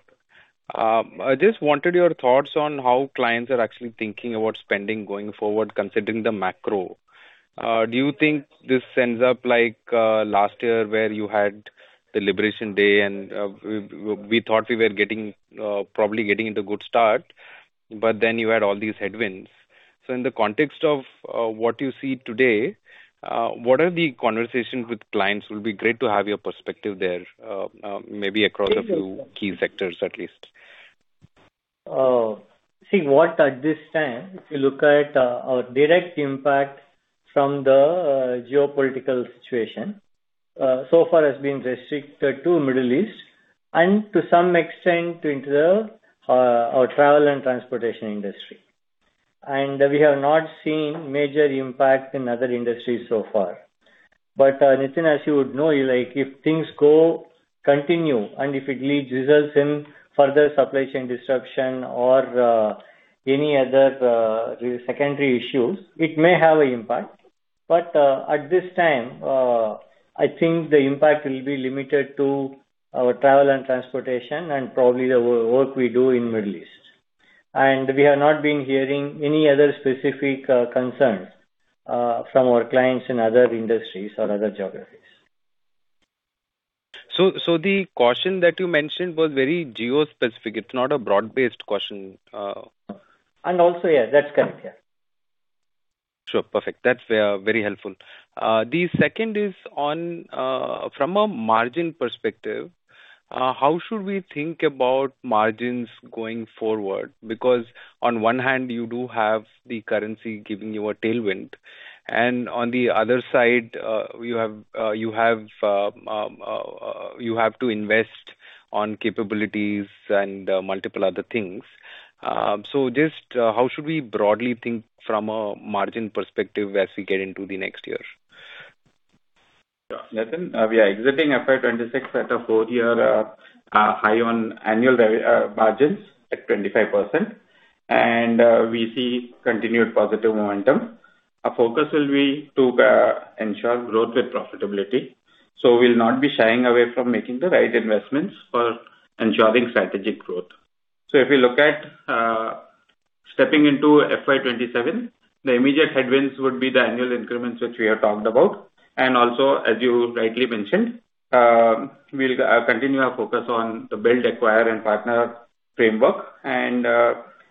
I just wanted your thoughts on how clients are actually thinking about spending going forward, considering the macro. Do you think this ends up like last year, where you had the Liberation Day, and we thought we were probably getting into good start, but then you had all these headwinds. In the context of what you see today, what are the conversations with clients? It will be great to have your perspective there, maybe across a few key sectors at least. See, what at this time, if you look at our direct impact from the geopolitical situation, so far has been restricted to Middle East and to some extent into our travel and transportation industry. We have not seen major impact in other industries so far. Nitin, as you would know, if things continue and if it leads results in further supply chain disruption or any other secondary issues, it may have an impact. At this time, I think the impact will be limited to our travel and transportation and probably the work we do in Middle East. We have not been hearing any other specific concerns from our clients in other industries or other geographies. The caution that you mentioned was very geo-specific. It's not a broad-based caution. Yeah, that's correct. Yeah. Sure. Perfect. That's very helpful. The second is, from a margin perspective, how should we think about margins going forward? Because on one hand, you do have the currency giving you a tailwind, and on the other side, you have to invest on capabilities and multiple other things. Just how should we broadly think from a margin perspective as we get into the next year? Nitin, we are exiting FY 2026 at a four-year high on annual margins at 25%, and we see continued positive momentum. Our focus will be to ensure growth with profitability, so we'll not be shying away from making the right investments for ensuring strategic growth. If you look at stepping into FY 2027, the immediate headwinds would be the annual increments which we have talked about. Also, as you rightly mentioned, we'll continue our focus on the build, acquire and partner framework, and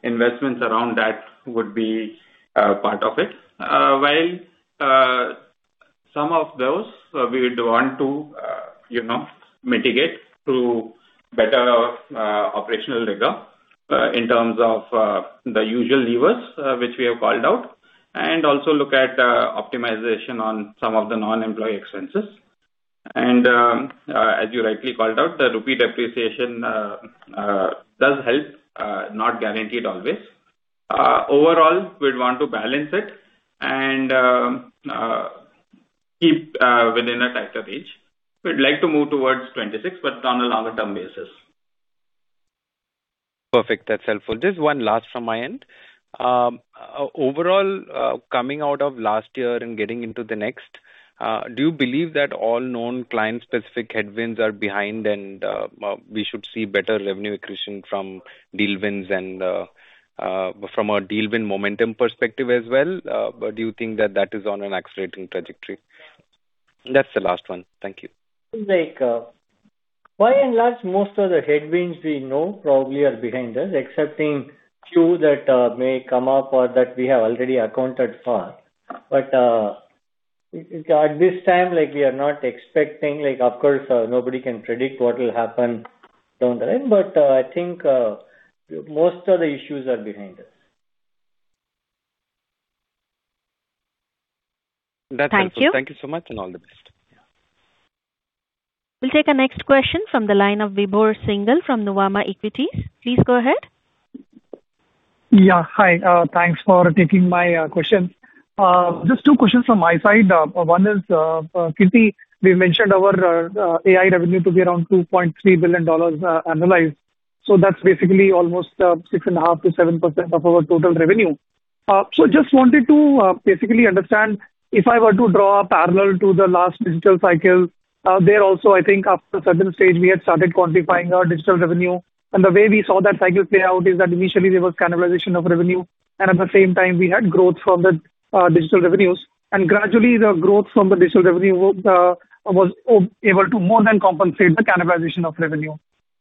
investments around that would be part of it. While some of those we would want to mitigate through better operational rigor in terms of the usual levers which we have called out, and also look at optimization on some of the non-employee expenses. As you rightly called out, the rupee depreciation does help. Not guaranteed always. Overall, we'd want to balance it and keep within a tighter range. We'd like to move towards 2026, but on a longer term basis. Perfect. That's helpful. Just one last from my end. Overall, coming out of last year and getting into the next, do you believe that all known client-specific headwinds are behind and we should see better revenue accretion from deal wins and from a deal win momentum perspective as well? Do you think that that is on an accelerating trajectory? That's the last one. Thank you. By and large, most of the headwinds we know probably are behind us, excepting few that may come up or that we have already accounted for. At this time, we are not expecting. Of course, nobody can predict what will happen down the line. I think most of the issues are behind us. That's helpful. Thank you. Thank you so much, and all the best. We'll take the next question from the line of Vibhor Singhal from Nuvama. Please go ahead. Yeah. Hi. Thanks for taking my questions. Just two questions from my side. One is, Krithi, we mentioned our AI revenue to be around $2.3 billion annualized. So that's basically almost 6.5%-7% of our total revenue. So just wanted to basically understand, if I were to draw a parallel to the last digital cycle, there also, I think after a certain stage we had started quantifying our digital revenue. The way we saw that cycle play out is that initially there was cannibalization of revenue, and at the same time, we had growth from the digital revenues. Gradually, the growth from the digital revenue was able to more than compensate the cannibalization of revenue.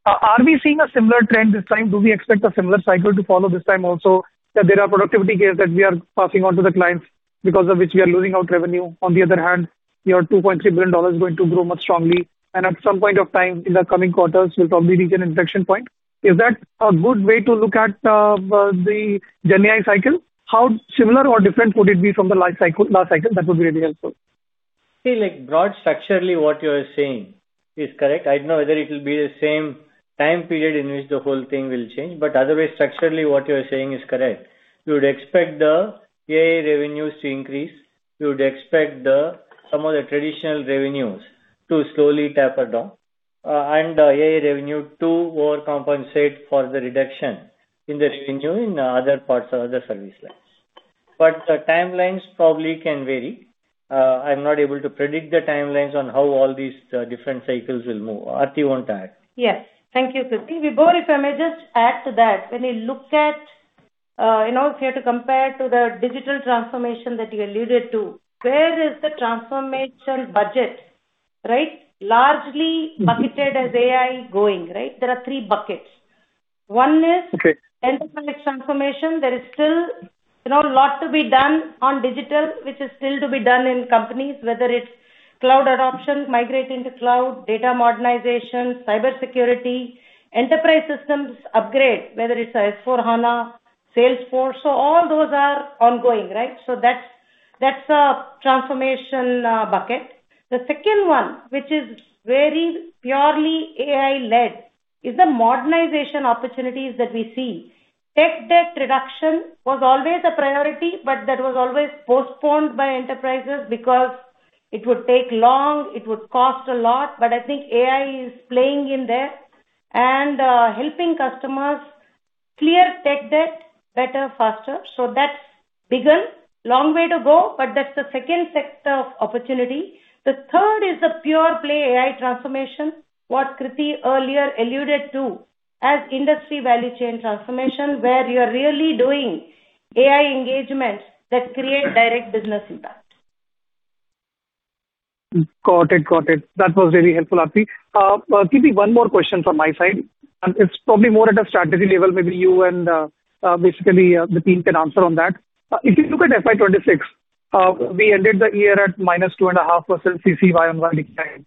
Are we seeing a similar trend this time? Do we expect a similar cycle to follow this time also, that there are productivity gains that we are passing on to the clients because of which we are losing out on revenue? On the other hand, your $2.3 billion is going to grow much more strongly and at some point of time in the coming quarters will probably reach an inflection point. Is that a good way to look at the GenAI cycle? How similar or different would it be from the last cycle? That would be really helpful. I feel like broad structurally what you're saying is correct. I don't know whether it'll be the same time period in which the whole thing will change, but otherwise, structurally, what you're saying is correct. You would expect the AI revenues to increase. You would expect some of the traditional revenues to slowly taper down. AI revenue to overcompensate for the reduction in the revenue in other parts or other service lines. The timelines probably can vary. I'm not able to predict the timelines on how all these different cycles will move. Aarthi, you want to add? Yes. Thank you, Krithi. Vibhor, if I may just add to that. When you look at, if you had to compare to the digital transformation that you alluded to. Where is the transformation budget, right? Largely bucketed as AI going, right? There are three buckets. Okay. One is enterprise transformation. There is still a lot to be done on digital, which is still to be done in companies, whether it's cloud adoption, migrating to cloud, data modernization, cybersecurity, enterprise systems upgrade. Whether it's S/4HANA, Salesforce. All those are ongoing, right? That's a transformation bucket. The second one, which is very purely AI-led, is the modernization opportunities that we see. Tech debt reduction was always a priority, but that was always postponed by enterprises because it would take long, it would cost a lot. I think AI is playing in there and helping customers clear tech debt better, faster. That's begun. Long way to go, but that's the second sector of opportunity. The third is the pure play AI transformation. What Krithi earlier alluded to as industry value chain transformation, where you are really doing AI engagements that create direct business impact. Got it. That was really helpful, Aarthi. Krithi, one more question from my side. It's probably more at a strategy level. Maybe you and basically the team can answer on that. If you look at FY 2026, we ended the year at -2.5% CC year-over-year decline.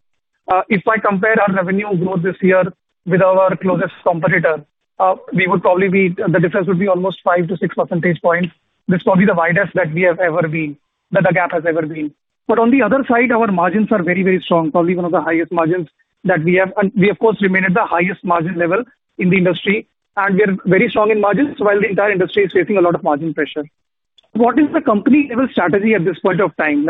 If I compare our revenue growth this year with our closest competitor, the difference would be almost 5-6 percentage points. That's probably the widest that the gap has ever been. On the other side, our margins are very strong, probably one of the highest margins that we have. We of course remain at the highest margin level in the industry, and we are very strong in margins while the entire industry is facing a lot of margin pressure. What is the company level strategy at this point of time?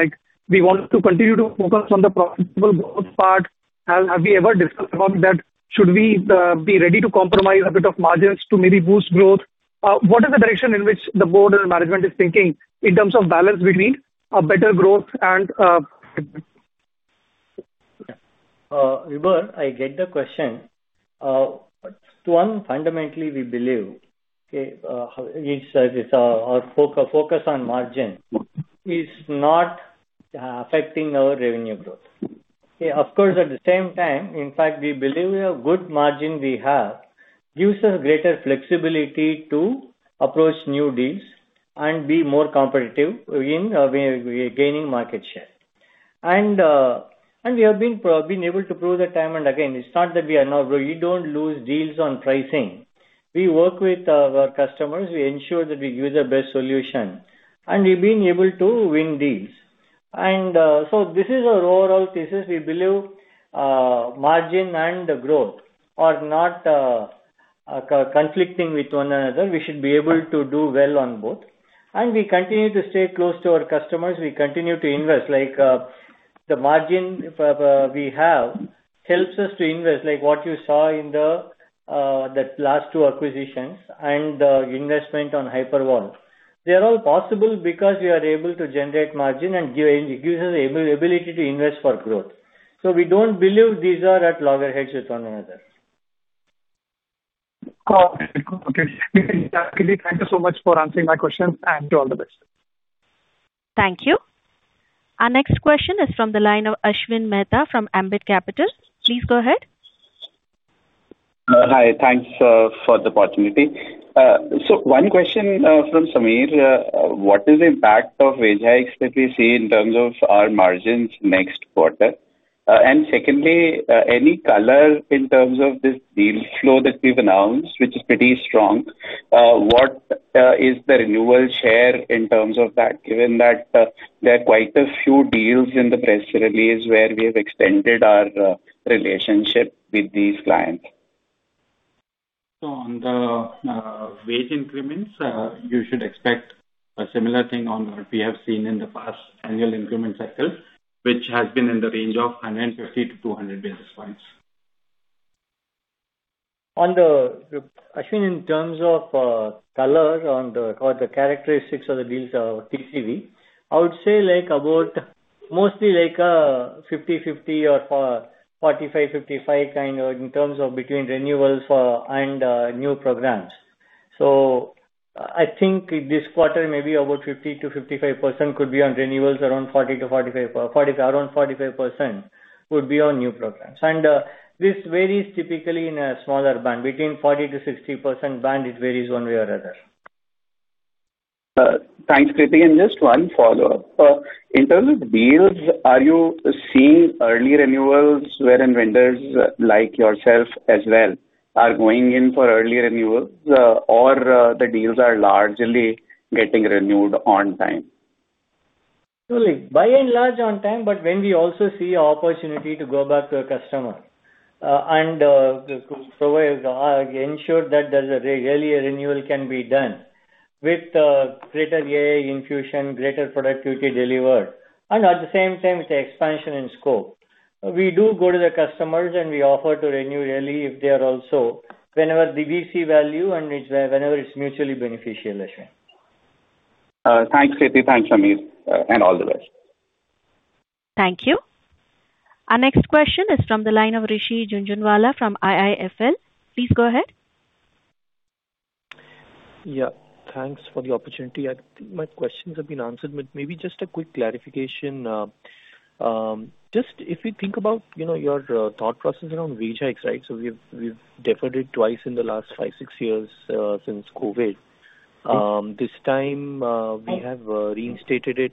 We want to continue to focus on the profitable growth part. Have we ever discussed about that? Should we be ready to compromise a bit of margins to maybe boost growth? What is the direction in which the board and management is thinking in terms of balance between better growth and? Vibhor, I get the question. One, fundamentally, we believe our focus on margin is not affecting our revenue growth. Of course, at the same time, in fact, we believe a good margin we have gives us greater flexibility to approach new deals and be more competitive in gaining market share. We have been able to prove that time and again. It's not that we are not growing. We don't lose deals on pricing. We work with our customers. We ensure that we give the best solution. We've been able to win deals. This is our overall thesis. We believe margin and growth are not conflicting with one another. We should be able to do well on both. We continue to stay close to our customers. We continue to invest. The margin we have helps us to invest. Like what you saw in the last two acquisitions and the investment on HyperVault. They are all possible because we are able to generate margin and it gives us the ability to invest for growth. We don't believe these are at loggerheads with one another. Got it. Thank you so much for answering my questions, and all the best. Thank you. Our next question is from the line of Ashwin Mehta from Ambit Capital. Please go ahead. Hi. Thanks for the opportunity. One question from Samir, what is the impact of wage hikes that we see in terms of our margins next quarter? Secondly, any color in terms of this deal flow that we've announced, which is pretty strong, what is the renewal share in terms of that, given that there are quite a few deals in the press release where we have extended our relationship with these clients. On the wage increments, you should expect a similar thing on what we have seen in the past annual increments itself, which has been in the range of 150-200 basis points. Ashwin, in terms of color on the characteristics of the deals or TCV, I would say like about mostly like a 50/50 or 45/55 kind in terms of between renewals and new programs. I think this quarter maybe about 50%-55% could be on renewals, around 40%-45% would be on new programs. This varies typically in a smaller band, between 40%-60% band. It varies one way or other. Thanks, Krithi. Just one follow-up. In terms of deals, are you seeing early renewals wherein vendors like yourself as well are going in for early renewals or the deals are largely getting renewed on time? Surely. By and large on time, but when we also see opportunity to go back to a customer and ensure that there's really a renewal can be done with greater AI infusion, greater productivity delivered, and at the same time with the expansion in scope. We do go to the customers and we offer to renew early if they are also, whenever we see value and whenever it's mutually beneficial, Ashwin. Thanks, Krithi. Thanks, Samir, and all the best. Thank you. Our next question is from the line of Rishi Jhunjhunwala from IIFL. Please go ahead. Yeah, thanks for the opportunity. I think my questions have been answered, but maybe just a quick clarification. Just if you think about your thought process around wage hikes. We've deferred it twice in the last five, six years, since COVID. This time we have reinstated it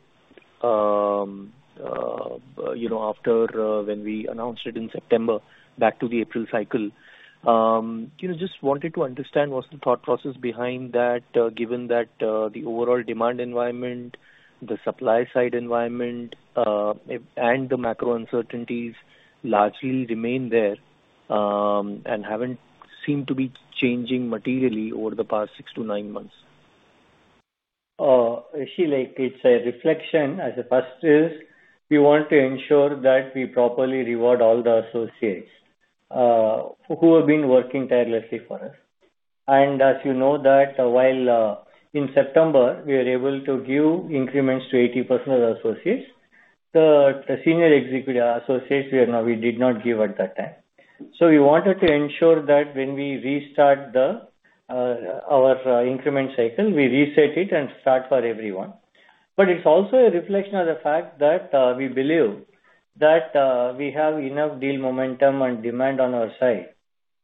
after when we announced it in September back to the April cycle. Just wanted to understand what's the thought process behind that, given that the overall demand environment, the supply side environment, and the macro uncertainties largely remain there, and haven't seemed to be changing materially over the past six to nine months. Rishi, it's a reflection as a first is we want to ensure that we properly reward all the associates who have been working tirelessly for us. As you know that while in September we were able to give increments to 80% of associates, the senior executive associates we did not give at that time. We wanted to ensure that when we restart our increment cycle, we reset it and start for everyone. It's also a reflection of the fact that we believe that we have enough deal momentum and demand on our side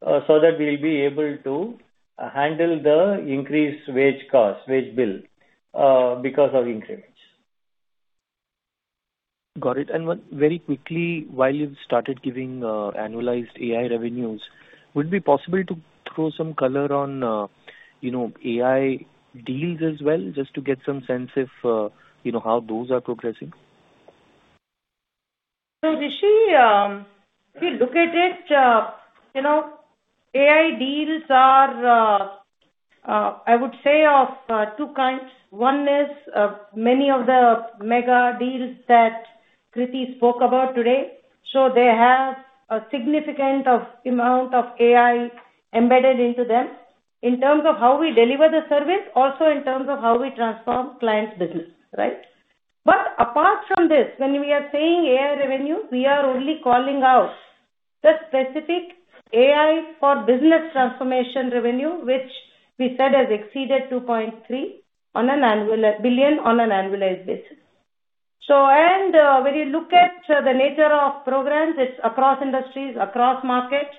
so that we'll be able to handle the increased wage cost, wage bill, because of increments. Got it. One very quickly, while you've started giving annualized AI revenues, would it be possible to throw some color on AI deals as well, just to get some sense of how those are progressing? Rishi, if you look at it, AI deals are, I would say of two kinds. One is many of the mega deals that Krithi spoke about today. They have a significant amount of AI embedded into them in terms of how we deliver the service, also in terms of how we transform clients' business, right? But apart from this, when we are saying AI revenue, we are only calling out the specific AI for business transformation revenue, which we said has exceeded $2.3 billion on an annualized basis. When you look at the nature of programs, it's across industries, across markets,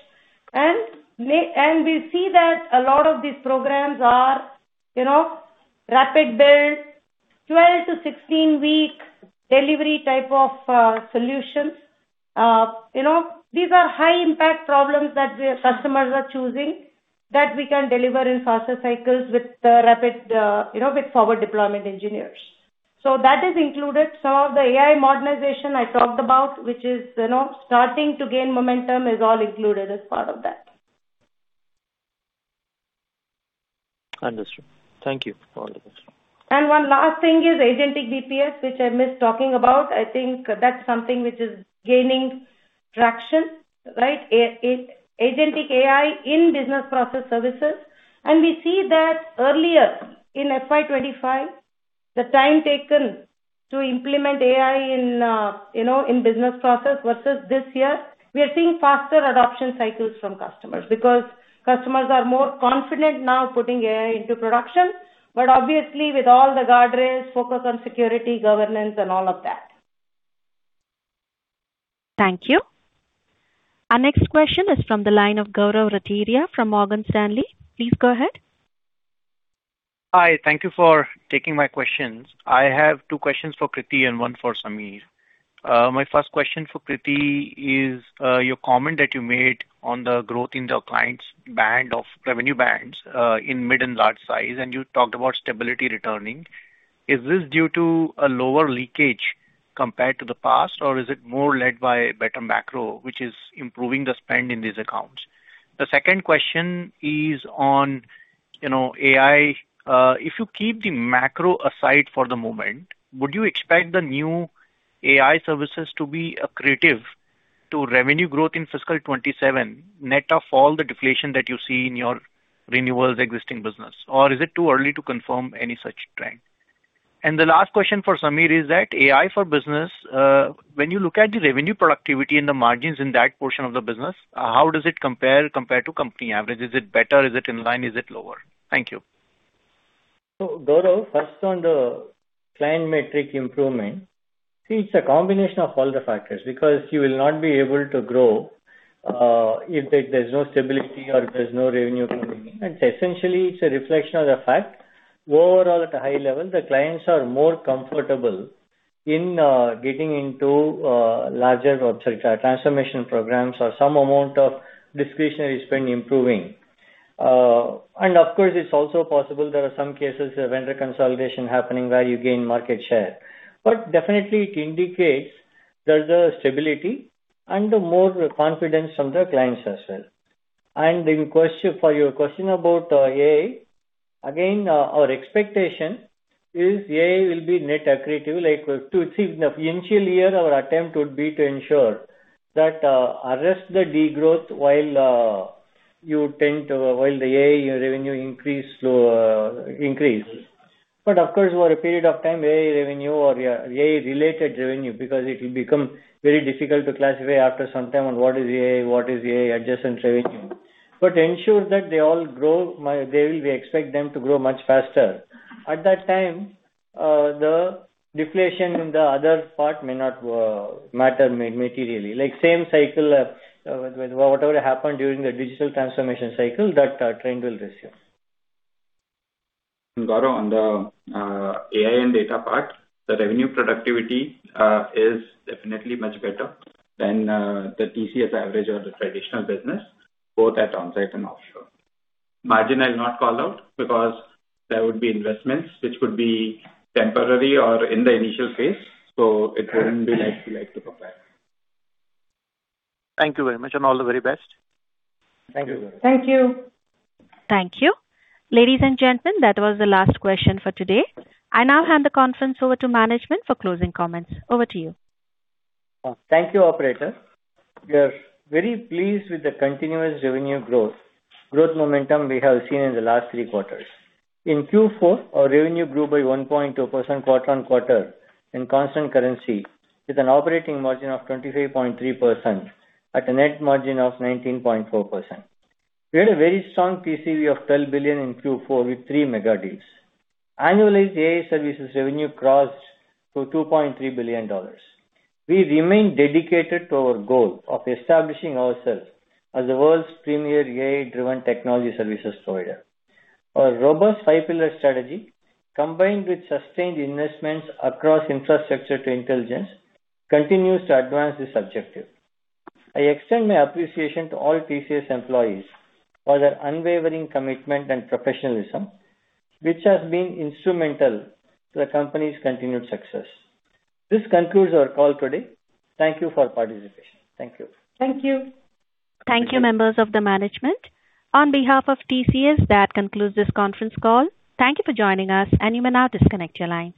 and we see that a lot of these programs are rapid build, 12-16-week delivery type of solutions. These are high impact problems that customers are choosing that we can deliver in faster cycles with forward deployment engineers. That is included. Some of the AI modernization I talked about, which is starting to gain momentum, is all included as part of that. Understood. Thank you. All the best. One last thing is agentic BPS, which I missed talking about. I think that's something which is gaining traction, right? Agentic AI in business process services. We see that earlier in FY 2025, the time taken to implement AI in business process versus this year, we are seeing faster adoption cycles from customers because customers are more confident now putting AI into production. Obviously with all the guardrails, focus on security, governance and all of that. Thank you. Our next question is from the line of Gaurav Rateria from Morgan Stanley. Please go ahead. Hi. Thank you for taking my questions. I have two questions for K. Krithivasan and one for Samir Seksaria. My first question for K. Krithivasan is your comment that you made on the growth in the client's band of revenue bands in mid and large size, and you talked about stability returning. Is this due to a lower leakage compared to the past, or is it more led by better macro, which is improving the spend in these accounts? The second question is on AI. If you keep the macro aside for the moment, would you expect the new AI services to be accretive to revenue growth in FY 2027, net of all the deflation that you see in your renewals existing business? Or is it too early to confirm any such trend? The last question for Samir is that AI for business, when you look at the revenue productivity and the margins in that portion of the business, how does it compare to company average? Is it better? Is it in line? Is it lower? Thank you. Gaurav, first on the client metric improvement. See, it's a combination of all the factors because you will not be able to grow if there's no stability or there's no revenue coming in. Essentially, it's a reflection of the fact, overall at a high level, the clients are more comfortable in getting into larger transformation programs or some amount of discretionary spend improving. Of course, it's also possible there are some cases where vendor consolidation happening where you gain market share. Definitely it indicates there's a stability and more confidence from the clients as well. For your question about AI, again, our expectation is AI will be net accretive. Like in the initial year, our attempt would be to ensure that arrest the de-growth while the AI revenue increase. Of course, over a period of time, AI revenue or AI related revenue, because it will become very difficult to classify after some time on what is AI, what is AI adjacent revenue. Ensure that we expect them to grow much faster. At that time, the deflation in the other part may not matter materially. Like same cycle, whatever happened during the digital transformation cycle, that trend will resume. Gaurav, on the AI and data part, the revenue productivity is definitely much better than the TCS average or the traditional business, both at onsite and offshore. Margin, I'll not call out because there would be investments which would be temporary or in the initial phase, so it wouldn't be like to like to compare. Thank you very much and all the very best. Thank you. Thank you. Ladies and gentlemen, that was the last question for today. I now hand the conference over to management for closing comments. Over to you. Thank you, operator. We are very pleased with the continuous revenue growth. The growth momentum we have seen in the last three quarters. In Q4, our revenue grew by 1.2% quarter-over-quarter in constant currency with an operating margin of 25.3% and a net margin of 19.4%. We had a very strong TCV of $12 billion in Q4 with three mega deals. Annualized AI services revenue crossed the $2.3 billion. We remain dedicated to our goal of establishing ourselves as the world's premier AI-driven technology services provider. Our robust five-pillar strategy, combined with sustained investments across infrastructure to intelligence, continues to advance this objective. I extend my appreciation to all TCS employees for their unwavering commitment and professionalism, which has been instrumental to the company's continued success. This concludes our call today. Thank you for your participation. Thank you. Thank you. Thank you, members of the management. On behalf of TCS, that concludes this conference call. Thank you for joining us, and you may now disconnect your lines.